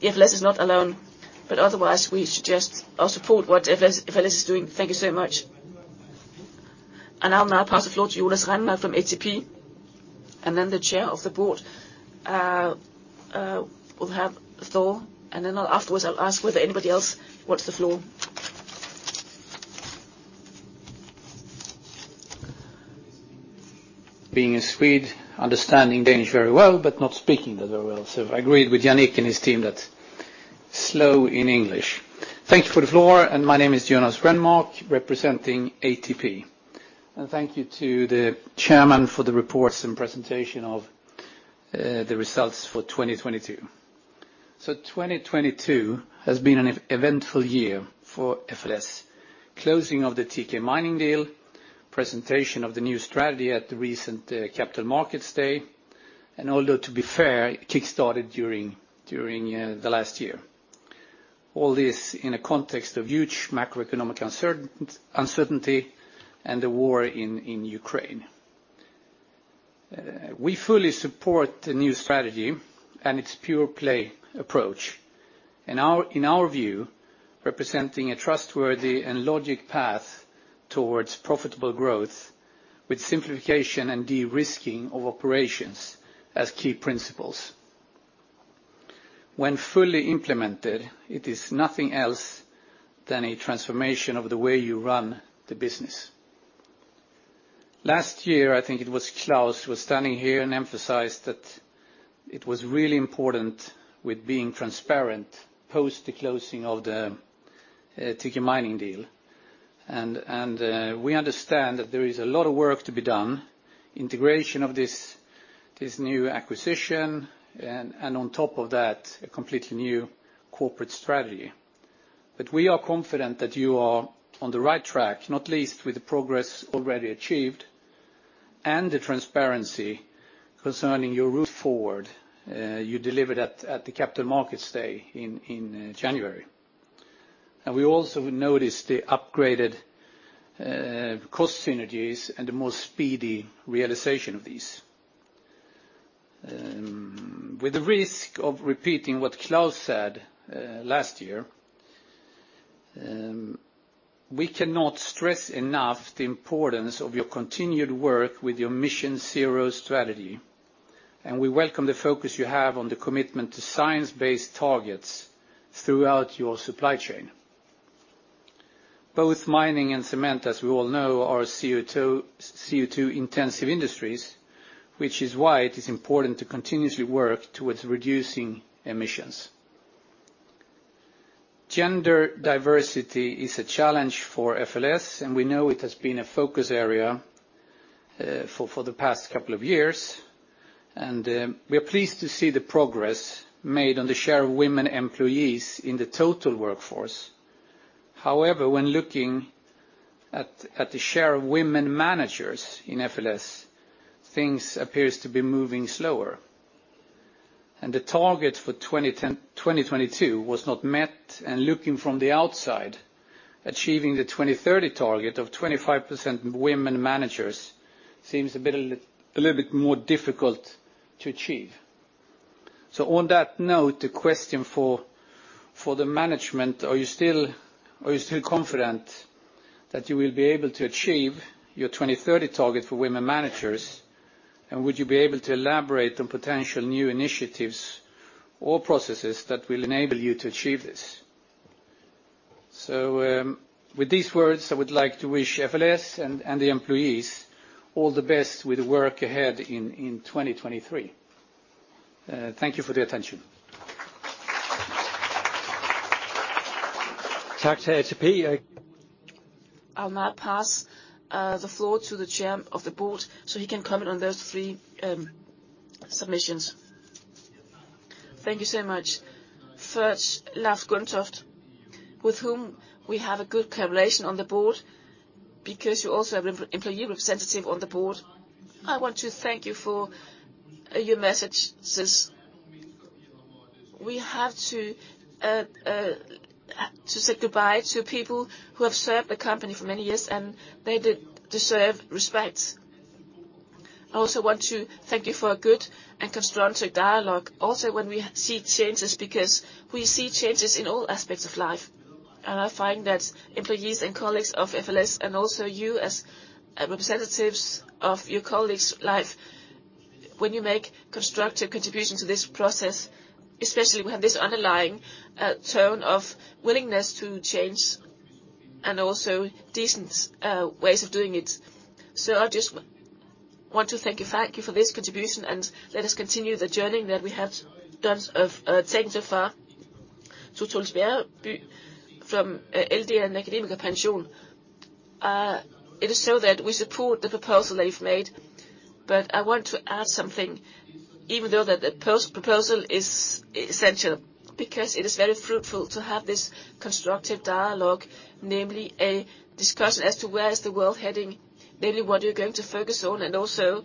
FLS is not alone, but otherwise, we suggest or support what FLS is doing. Thank you so much. I'll now pass the floor to Jonas Rennmark from ATP, then the chair of the board will have the floor, and then I'll afterwards, I'll ask whether anybody else wants the floor. I agreed with Jannick and his team that slow in English. Thank you for the floor, and my name is Jonas Rennmark, representing ATP. Thank you to the Chairman for the reports and presentation of the results for 2022. 2022 has been an eventful year for FLS. Closing of the TK Mining deal, presentation of the new strategy at the recent Capital Markets Day, and although to be fair, it kick-started during the last year. All this in a context of huge macroeconomic uncertainty and the war in Ukraine. We fully support the new strategy and its pure-play approach. In our view, representing a trustworthy and logic path towards profitable growth with simplification and de-risking of operations as key principles. When fully implemented, it is nothing else than a transformation of the way you run the business. Last year, I think it was Klaus Søgaard who was standing here and emphasized that it was really important with being transparent post the closing of the TK Mining deal. We understand that there is a lot of work to be done, integration of this new acquisition, and on top of that, a completely new corporate strategy. We are confident that you are on the right track, not least with the progress already achieved, and the transparency concerning your route forward, you delivered at the Capital Markets Day in January. We also noticed the upgraded cost synergies and the more speedy realization of these. With the risk of repeating what Klaus said last year, we cannot stress enough the importance of your continued work with your MissionZero strategy, and we welcome the focus you have on the commitment to Science-Based Targets throughout your supply chain. Both Mining and Cement, as we all know, are CO2-intensive industries, which is why it is important to continuously work towards reducing emissions. Gender diversity is a challenge for FLS, and we know it has been a focus area for the past couple of years, and we are pleased to see the progress made on the share of women employees in the total workforce. However, when looking at the share of women managers in FLS, things appears to be moving slower. The target for 2010— 2022 was not met. Looking from the outside, achieving the 2030 target of 25% women managers seems a little bit more difficult to achieve. On that note, the question for the management, are you still confident that you will be able to achieve your 2030 target for women managers? Would you be able to elaborate on potential new initiatives or processes that will enable you to achieve this? With these words, I would like to wish FLS and the employees all the best with the work ahead in 2023. Thank you for the attention. I'll now pass the floor to the Chair of the Board so he can comment on those three submissions. Thank you so much. First, Leif Gundtoft, with whom we have a good collaboration on the board because you also have employee representative on the board. I want to thank you for your message since we have to say goodbye to people who have served the company for many years, and they deserve respect. I also want to thank you for a good and constructive dialogue, also when we see changes, because we see changes in all aspects of life. I find that employees and colleagues of FLS and also you as representatives of your colleagues' life, when you make constructive contribution to this process, especially we have this underlying tone of willingness to change and also decent ways of doing it. I just want to thank you. Thank you for this contribution. Let us continue the journey that we have done of taken so far. To Tonsberg from LD Fonde AkademikerPension. It is so that we support the proposal that you've made. I want to add something, even though that the proposal is essential, because it is very fruitful to have this constructive dialogue, namely a discussion as to where is the world heading, namely what you're going to focus on, and also,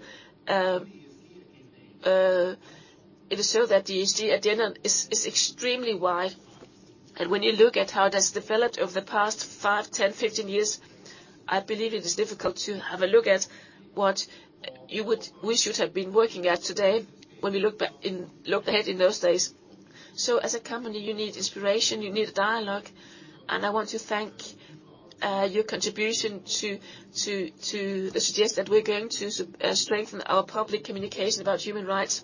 it is so that the agenda is extremely wide. When you look at how that's developed over the past 5, 10, 15 years, I believe it is difficult to have a look at what we should have been working at today when we look back in, look ahead in those days. As a company, you need inspiration, you need dialogue, and I want to thank your contribution to suggest that we're going to strengthen our public communication about human rights.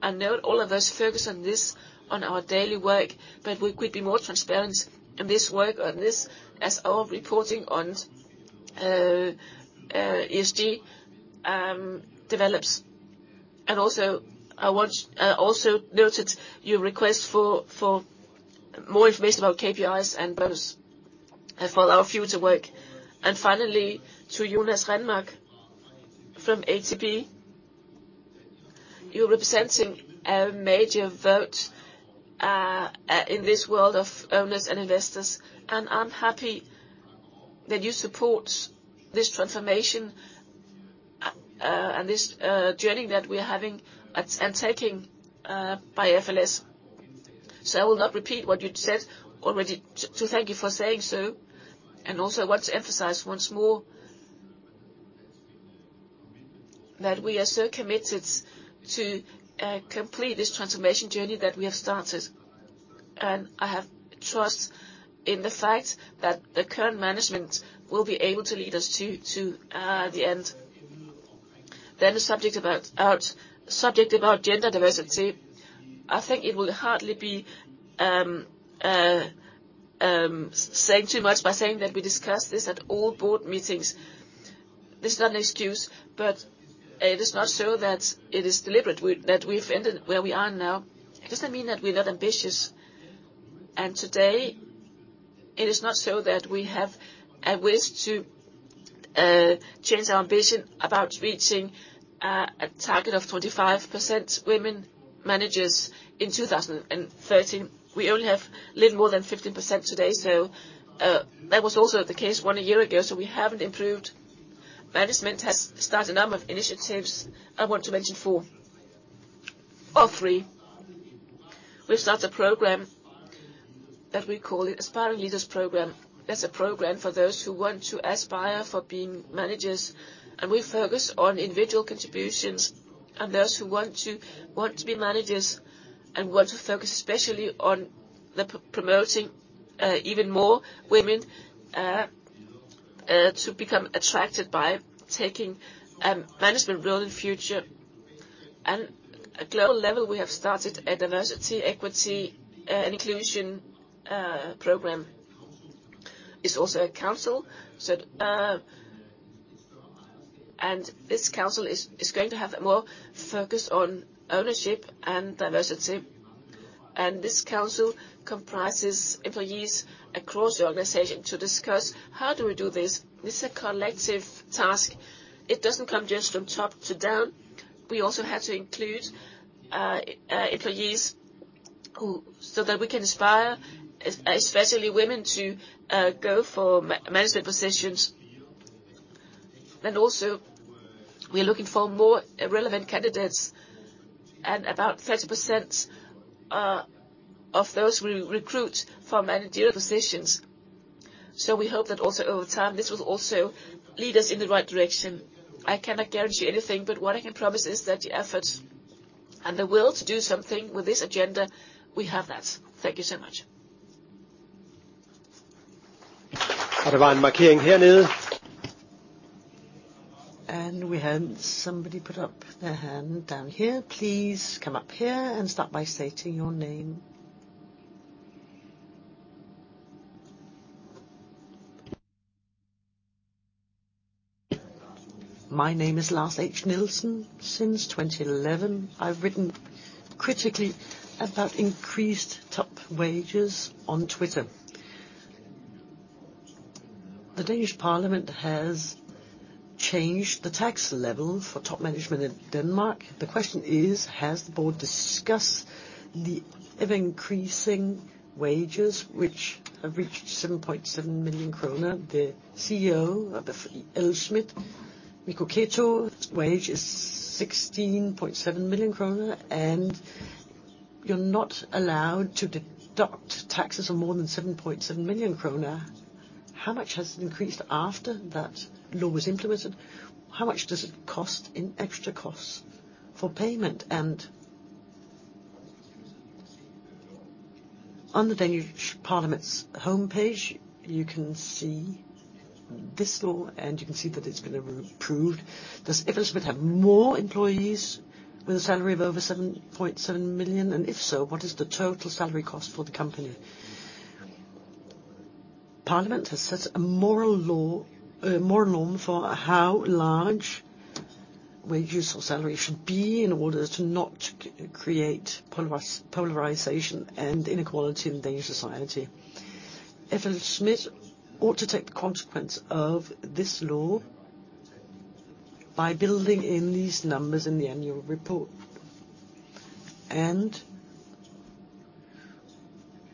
I know all of us focus on this on our daily work, we could be more transparent in this work, on this as our reporting on ESG develops. I also noted your request for more information about KPIs and goals for our future work. Finally, to Jonas Rennmark from ATP. You're representing a major vote in this world of owners and investors, I'm happy that you support this transformation and this journey that we're having at, and taking by FLS. I will not repeat what you said already. Thank you for saying so, also I want to emphasize once more that we are so committed to complete this transformation journey that we have started. I have trust in the fact that the current management will be able to lead us to the end. The subject about gender diversity. I think it will hardly be saying too much by saying that we discuss this at all board meetings. This is not an excuse, but it is not so that it is deliberate that we've ended where we are now. It doesn't mean that we're not ambitious. Today, it is not so that we have wished to change our ambition about reaching a target of 25% women managers in 2030. We only have little more than 15% today. That was also the case 1 year ago. We haven't improved. Management has started a number of initiatives. I want to mention four or three. We've started a program that we call the Aspiring Leaders Program. That's a program for those who want to aspire for being managers. We focus on individual contributions and those who want to be managers and want to focus especially on promoting even more women to become attracted by taking a management role in the future. At global level, we have started a Diversity, Equity, and Inclusion program. It's also a council. This council is going to have a more focus on ownership and diversity. This council comprises employees across the organization to discuss how do we do this. This is a collective task. It doesn't come just from top to down. We also have to include employees who... so that we can inspire especially women to go for management positions. We are looking for more relevant candidates, and about 30% of those we recruit for managerial positions. We hope that also over time, this will also lead us in the right direction. I cannot guarantee anything, but what I can promise is that the effort and the will to do something with this agenda, we have that. Thank you so much. We had somebody put up their hand down here. Please come up here and start by stating your name. My name is Lars H. Nielsen. Since 2011, I've written critically about increased top wages on Twitter. The Danish Parliament has changed the tax level for top management in Denmark. The question is: Has the board discussed the ever-increasing wages which have reached 7.7 million kroner? The CEO of the FLSmidth, Mikko Keto's wage is 16.7 million kroner, and you're not allowed to deduct taxes of more than 7.7 million kroner. How much has it increased after that law was implemented? How much does it cost in extra costs for payment? On the Danish Parliament's homepage, you can see this law, and you can see that it's been approved. Does FLSmidth have more employees with a salary of over 7.7 million? If so, what is the total salary cost for the company? Parliament has set a moral law, a moral norm for how large wages or salary should be in order to not create polarization and inequality in Danish society. FLSmidth ought to take the consequence of this law by building in these numbers in the annual report.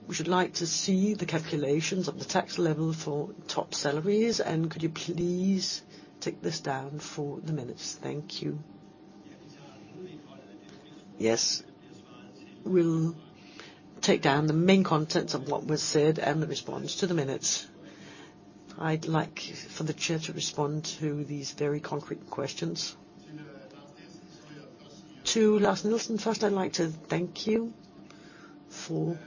We should like to see the calculations of the tax level for top salaries. Could you please take this down for the minutes? Thank you. Yes. We'll take down the main contents of what was said and the response to the minutes. I'd like for the chair to respond to these very concrete questions. To Lars H. Nielsen, first I'd like to thank you for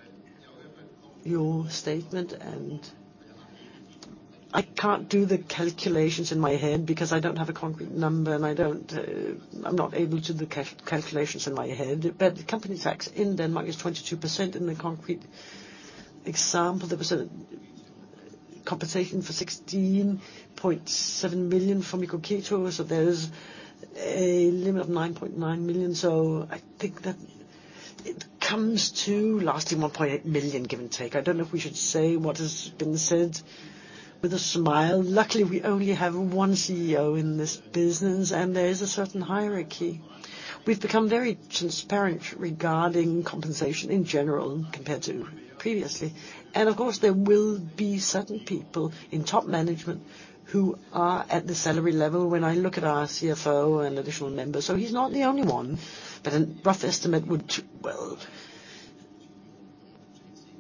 your statement. I can't do the calculations in my head because I don't have a concrete number, and I'm not able to do calculations in my head. The company tax in Denmark is 22%. In the concrete example, there was a compensation for 16.7 million for Mikko Keto. There's a limit of 9.9 million. I think that it comes to lasting 1.8 million, give and take. I don't know if we should say what has been said with a smile. Luckily, we only have one CEO in this business, and there is a certain hierarchy. We've become very transparent regarding compensation in general compared to previously. Of course, there will be certain people in top management who are at the salary level when I look at our CFO and additional members. He's not the only one, but a rough estimate would, well,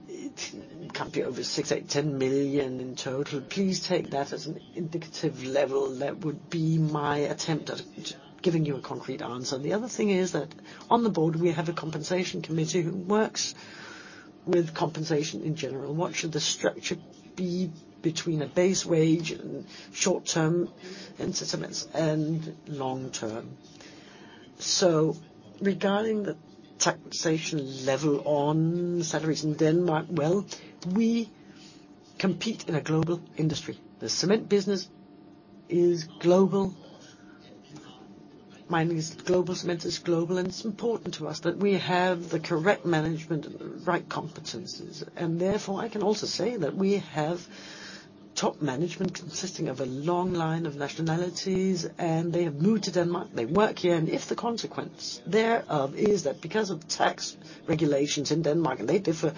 it can't be over 6 million, 8 million, 10 million in total. Please take that as an indicative level. That would be my attempt at giving you a concrete answer. The other thing is that on the board, we have a compensation committee who works with compensation in general. What should the structure be between a base wage and short-term incentives and long-term? Regarding the taxation level on salaries in Denmark, well, we compete in a global industry. The Cement business is global. Mining is global. Cement is global, and it's important to us that we have the correct management, right competencies. Therefore, I can also say that we have top management consisting of a long line of nationalities, and they have moved to Denmark, they work here. If the consequence thereof is that because of tax regulations in Denmark, and they differ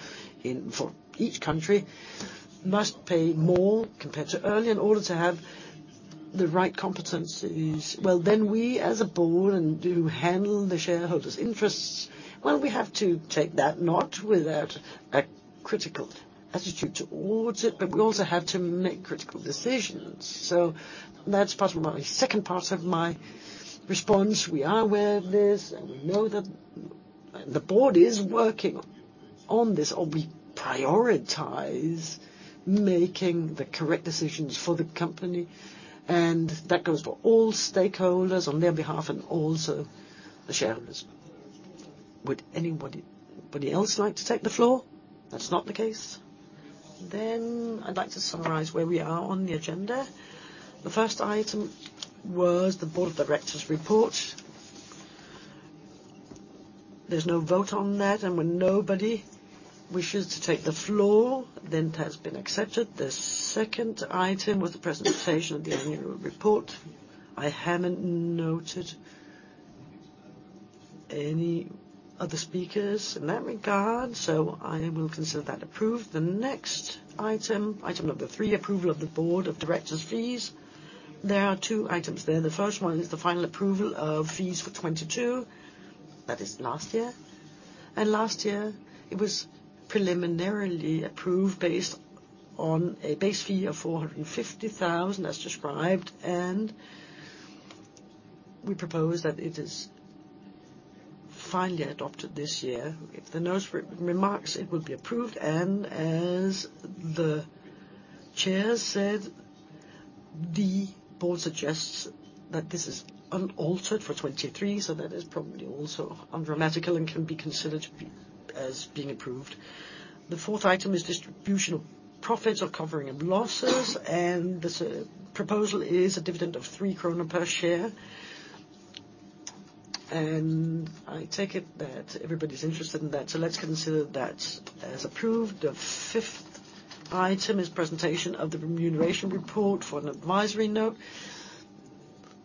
for each country, must pay more compared to earlier in order to have the right competencies, well, then we as a board and do handle the shareholders' interests, well, we have to take that not without a critical attitude towards it, but we also have to make critical decisions. That's possibly my second part of my response. We are aware of this, and we know that the board is working on this, or we prioritize making the correct decisions for the company, and that goes for all stakeholders on their behalf and also the shareholders. Would anybody else like to take the floor? That's not the case. I'd like to summarize where we are on the agenda. The first item was the board of directors report. There's no vote on that. When nobody wishes to take the floor, it has been accepted. The second item was the presentation of the annual report. I haven't noted any other speakers in that regard. I will consider that approved. The next item number three, approval of the board of directors fees. There are two items there. The first one is the final approval of fees for 2022. That is last year. Last year it was preliminarily approved based on a base fee of 450,000, as described. We propose that it is finally adopted this year. If there are no remarks, it will be approved. As the Chair said, the board suggests that this is unaltered for 2023, so that is probably also undramatical and can be considered as being approved. The fourth item is distribution of profits or covering of losses, and this proposal is a dividend of 3 krone per share. I take it that everybody's interested in that, so let's consider that as approved. The fifth item is presentation of the remuneration report for an advisory note.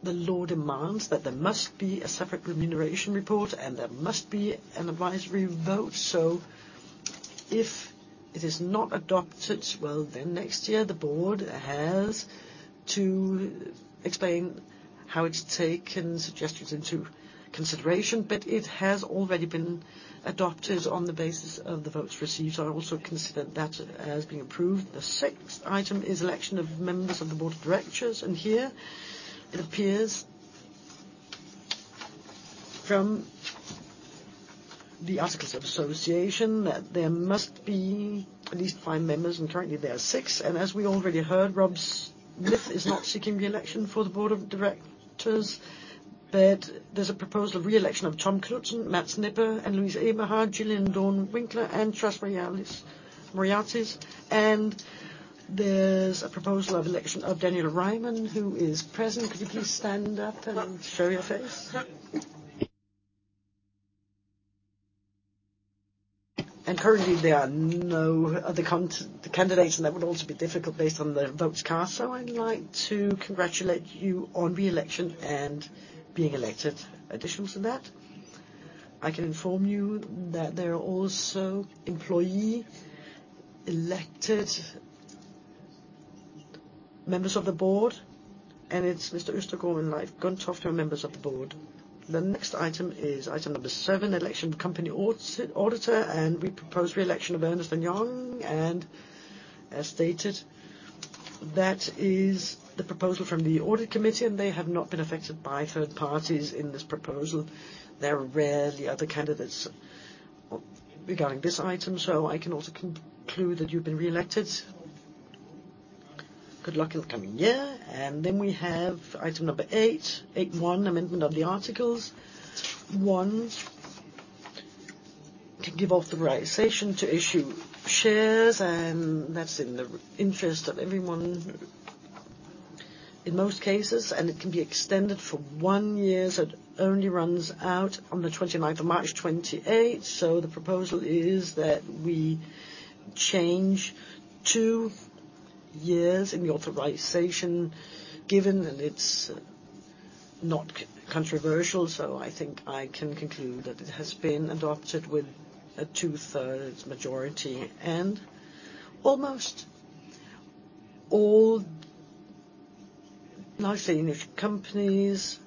The law demands that there must be a separate remuneration report, and there must be an advisory vote. If it is not adopted, well, then next year the Board has to explain how it's taken suggestions into consideration, but it has already been adopted on the basis of the votes received. I also consider that as being approved. The sixth item is election of members of the Board of Directors, and here it appears from the articles of association that there must be at least five members, and currently there are six. As we already heard, Rob Smith is not seeking reelection for the Board of Directors. There's a proposal reelection of Tom Knutzen, Mads Nipper, Louise Eberhard, Gillian Dawn Winckler, and Thrasyvoulos Moraitis. There's a proposal of election of Daniel Reimann, who is present. Could you please stand up and show your face? Currently, there are no other candidates, and that would also be difficult based on the votes cast. I'd like to congratulate you on reelection and being elected. Additional to that, I can inform you that there are also employee elected Members of the board, it's Mr. Østergaard and Leif Gundtoft to our members of the board. The next item is item number seven, election of company auditor, we propose reelection of Ernst & Young. As stated, that is the proposal from the audit committee, they have not been affected by third parties in this proposal. There were rarely other candidates regarding this item, so I can also conclude that you've been reelected. Good luck in the coming year. Then we have item number 8.1, amendment of the articles. One, to give authorization to issue shares, that's in the interest of everyone in most cases, it can be extended for one year, so it only runs out on the 29th of March 2028. The proposal is that we change two years in the authorization. Given that it's not controversial, so I think I can conclude that it has been adopted with a two-thirds majority. Almost all nicely niche companies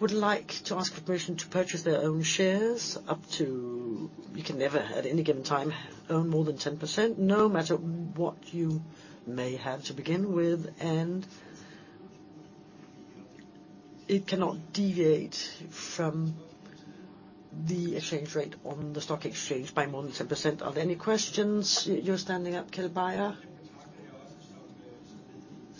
would like to ask permission to purchase their own shares up to. You can never at any given time own more than 10%, no matter what you may have to begin with. It cannot deviate from the exchange rate on the stock exchange by more than 10%. Are there any questions? You're standing up, Keld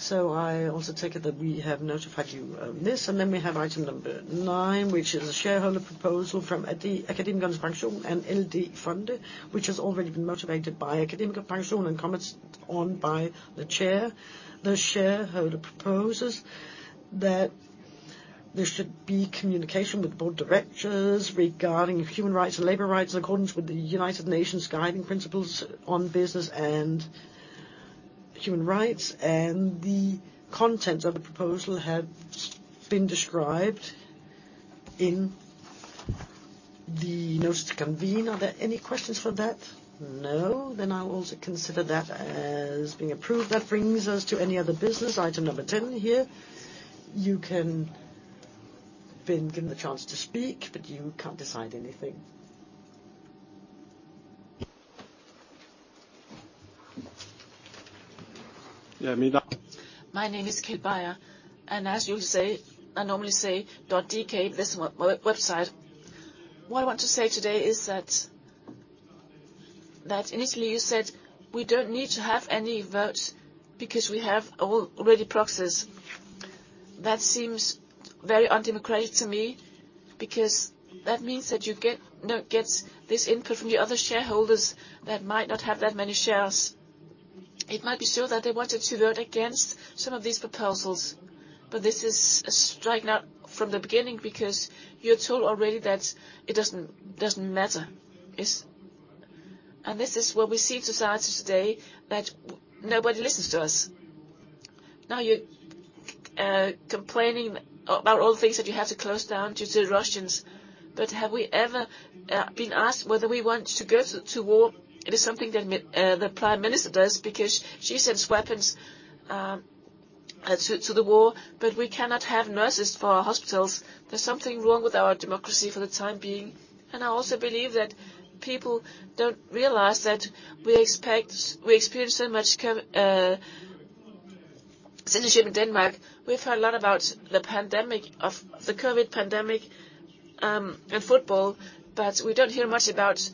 Beier. I also take it that we have notified you on this. Then we have item number nine, which is a shareholder proposal from AkademikerPension and LD Fonde, which has already been motivated by AkademikerPension and comments on by the Chair. The shareholder proposes that there should be communication with the board of directors regarding human rights and labor rights in accordance with the United Nations Guiding Principles on Business and Human Rights. The content of the proposal has been described in the notice to convene. Are there any questions for that? No. I will also consider that as being approved. That brings us to any other business, item number 10 here. Been given the chance to speak, but you can't decide anything. Yeah, Mina. My name is Keld Beier, and as you say, I normally say .dk, this website. What I want to say today is that initially you said we don't need to have any vote because we have already proxies. That seems very undemocratic to me because that means that you get this input from the other shareholders that might not have that many shares. It might be so that they wanted to vote against some of these proposals, this is striking out from the beginning because you're told already that it doesn't matter. This is what we see in society today, that nobody listens to us. Now you're complaining about all the things that you had to close down due to the Russians, have we ever been asked whether we want to go to war? It is something that the Prime Minister does because she sends weapons to the war, we cannot have nurses for our hospitals. There's something wrong with our democracy for the time being. I also believe that people don't realize that we experience so much censorship in Denmark. We've heard a lot about the COVID pandemic and football, but we don't hear much about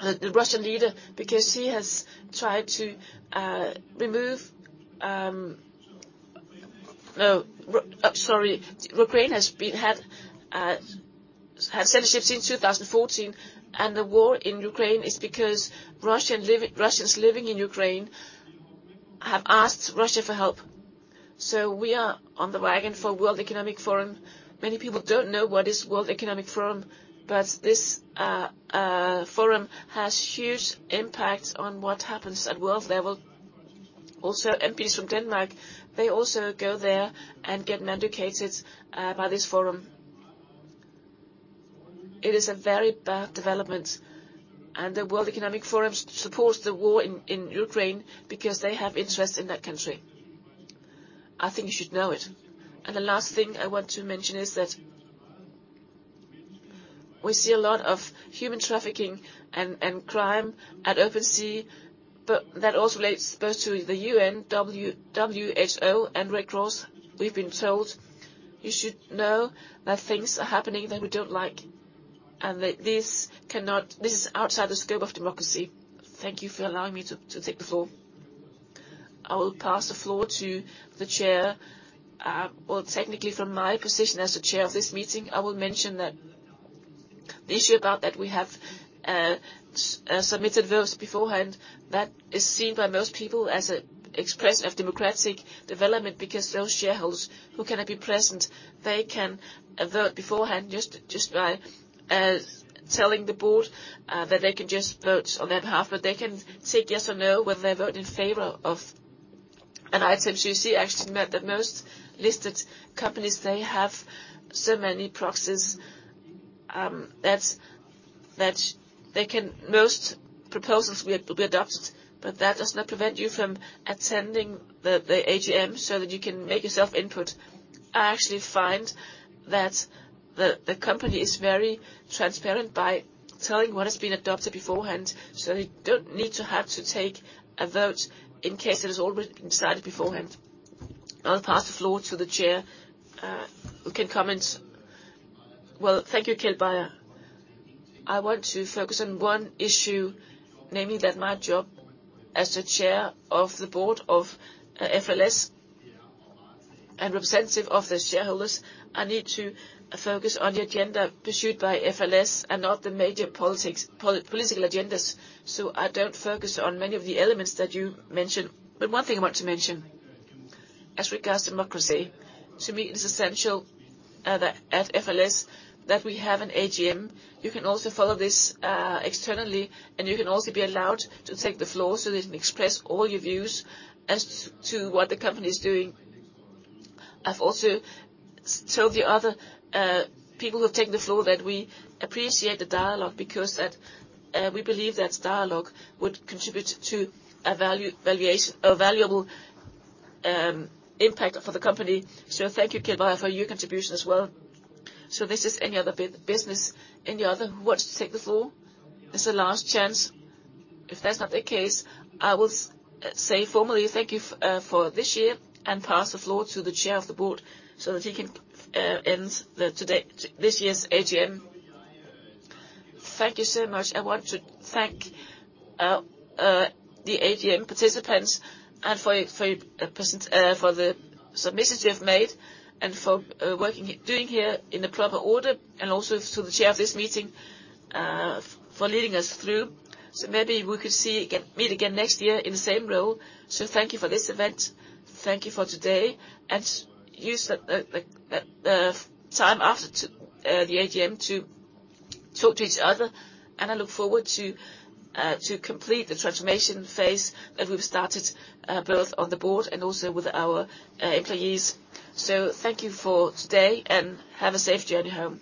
the Russian leader because he has tried to remove. No. Sorry. Ukraine has censorship since 2014, and the war in Ukraine is because Russians living in Ukraine have asked Russia for help. We are on the wagon for World Economic Forum. Many people don't know what is World Economic Forum, but this forum has huge impacts on what happens at world level. Also MPs from Denmark, they also go there and get mandated by this forum. It is a very bad development. The World Economic Forum supports the war in Ukraine because they have interest in that country. I think you should know it. The last thing I want to mention is that we see a lot of human trafficking and crime at open sea, but that also relates both to the UN, WHO and Red Cross. We've been told you should know that things are happening that we don't like. This is outside the scope of democracy. Thank you for allowing me to take the floor. I will pass the floor to the chair. Well, technically from my position as the chair of this meeting, I will mention that the issue about that we have submitted votes beforehand, that is seen by most people as an expression of democratic development because those shareholders who cannot be present, they can vote beforehand just by telling the board that they can just vote on their behalf, but they can say yes or no whether they vote in favor of. I attempt to see actually that the most listed companies, they have so many proxies that they can. Most proposals will be adopted, but that does not prevent you from attending the AGM so that you can make yourself input. I actually find that the company is very transparent by telling what has been adopted beforehand, they don't need to have to take a vote in case it is already decided beforehand. I'll pass the floor to the chair who can comment. Well, thank you, Keld Beier. I want to focus on one issue, namely that my job as the chair of the board of FLS and representative of the shareholders, I need to focus on the agenda pursued by FLS and not the major political agendas. I don't focus on many of the elements that you mentioned. One thing I want to mention as regards democracy, to me, it's essential that at FLS, that we have an AGM. You can also follow this externally, and you can also be allowed to take the floor so that you can express all your views as to what the company is doing. I've also told the other people who have taken the floor that we appreciate the dialogue because that we believe that dialogue would contribute to a valuable impact for the company. Thank you, Kjell Bayer, for your contribution as well. This is any other bi-business. Any other who wants to take the floor? This is the last chance. If that's not the case, I will say formally thank you for this year and pass the floor to the chair of the board so that he can end this year's AGM. Thank you so much. I want to thank the AGM participants and for your presence, for the submissions you have made and for doing here in the proper order and also to the chair of this meeting for leading us through. Maybe we could meet again next year in the same row. Thank you for this event. Thank you for today. Use the time after to the AGM to talk to each other. I look forward to complete the transformation phase that we've started both on the board and also with our employees. Thank you for today, have a safe journey home.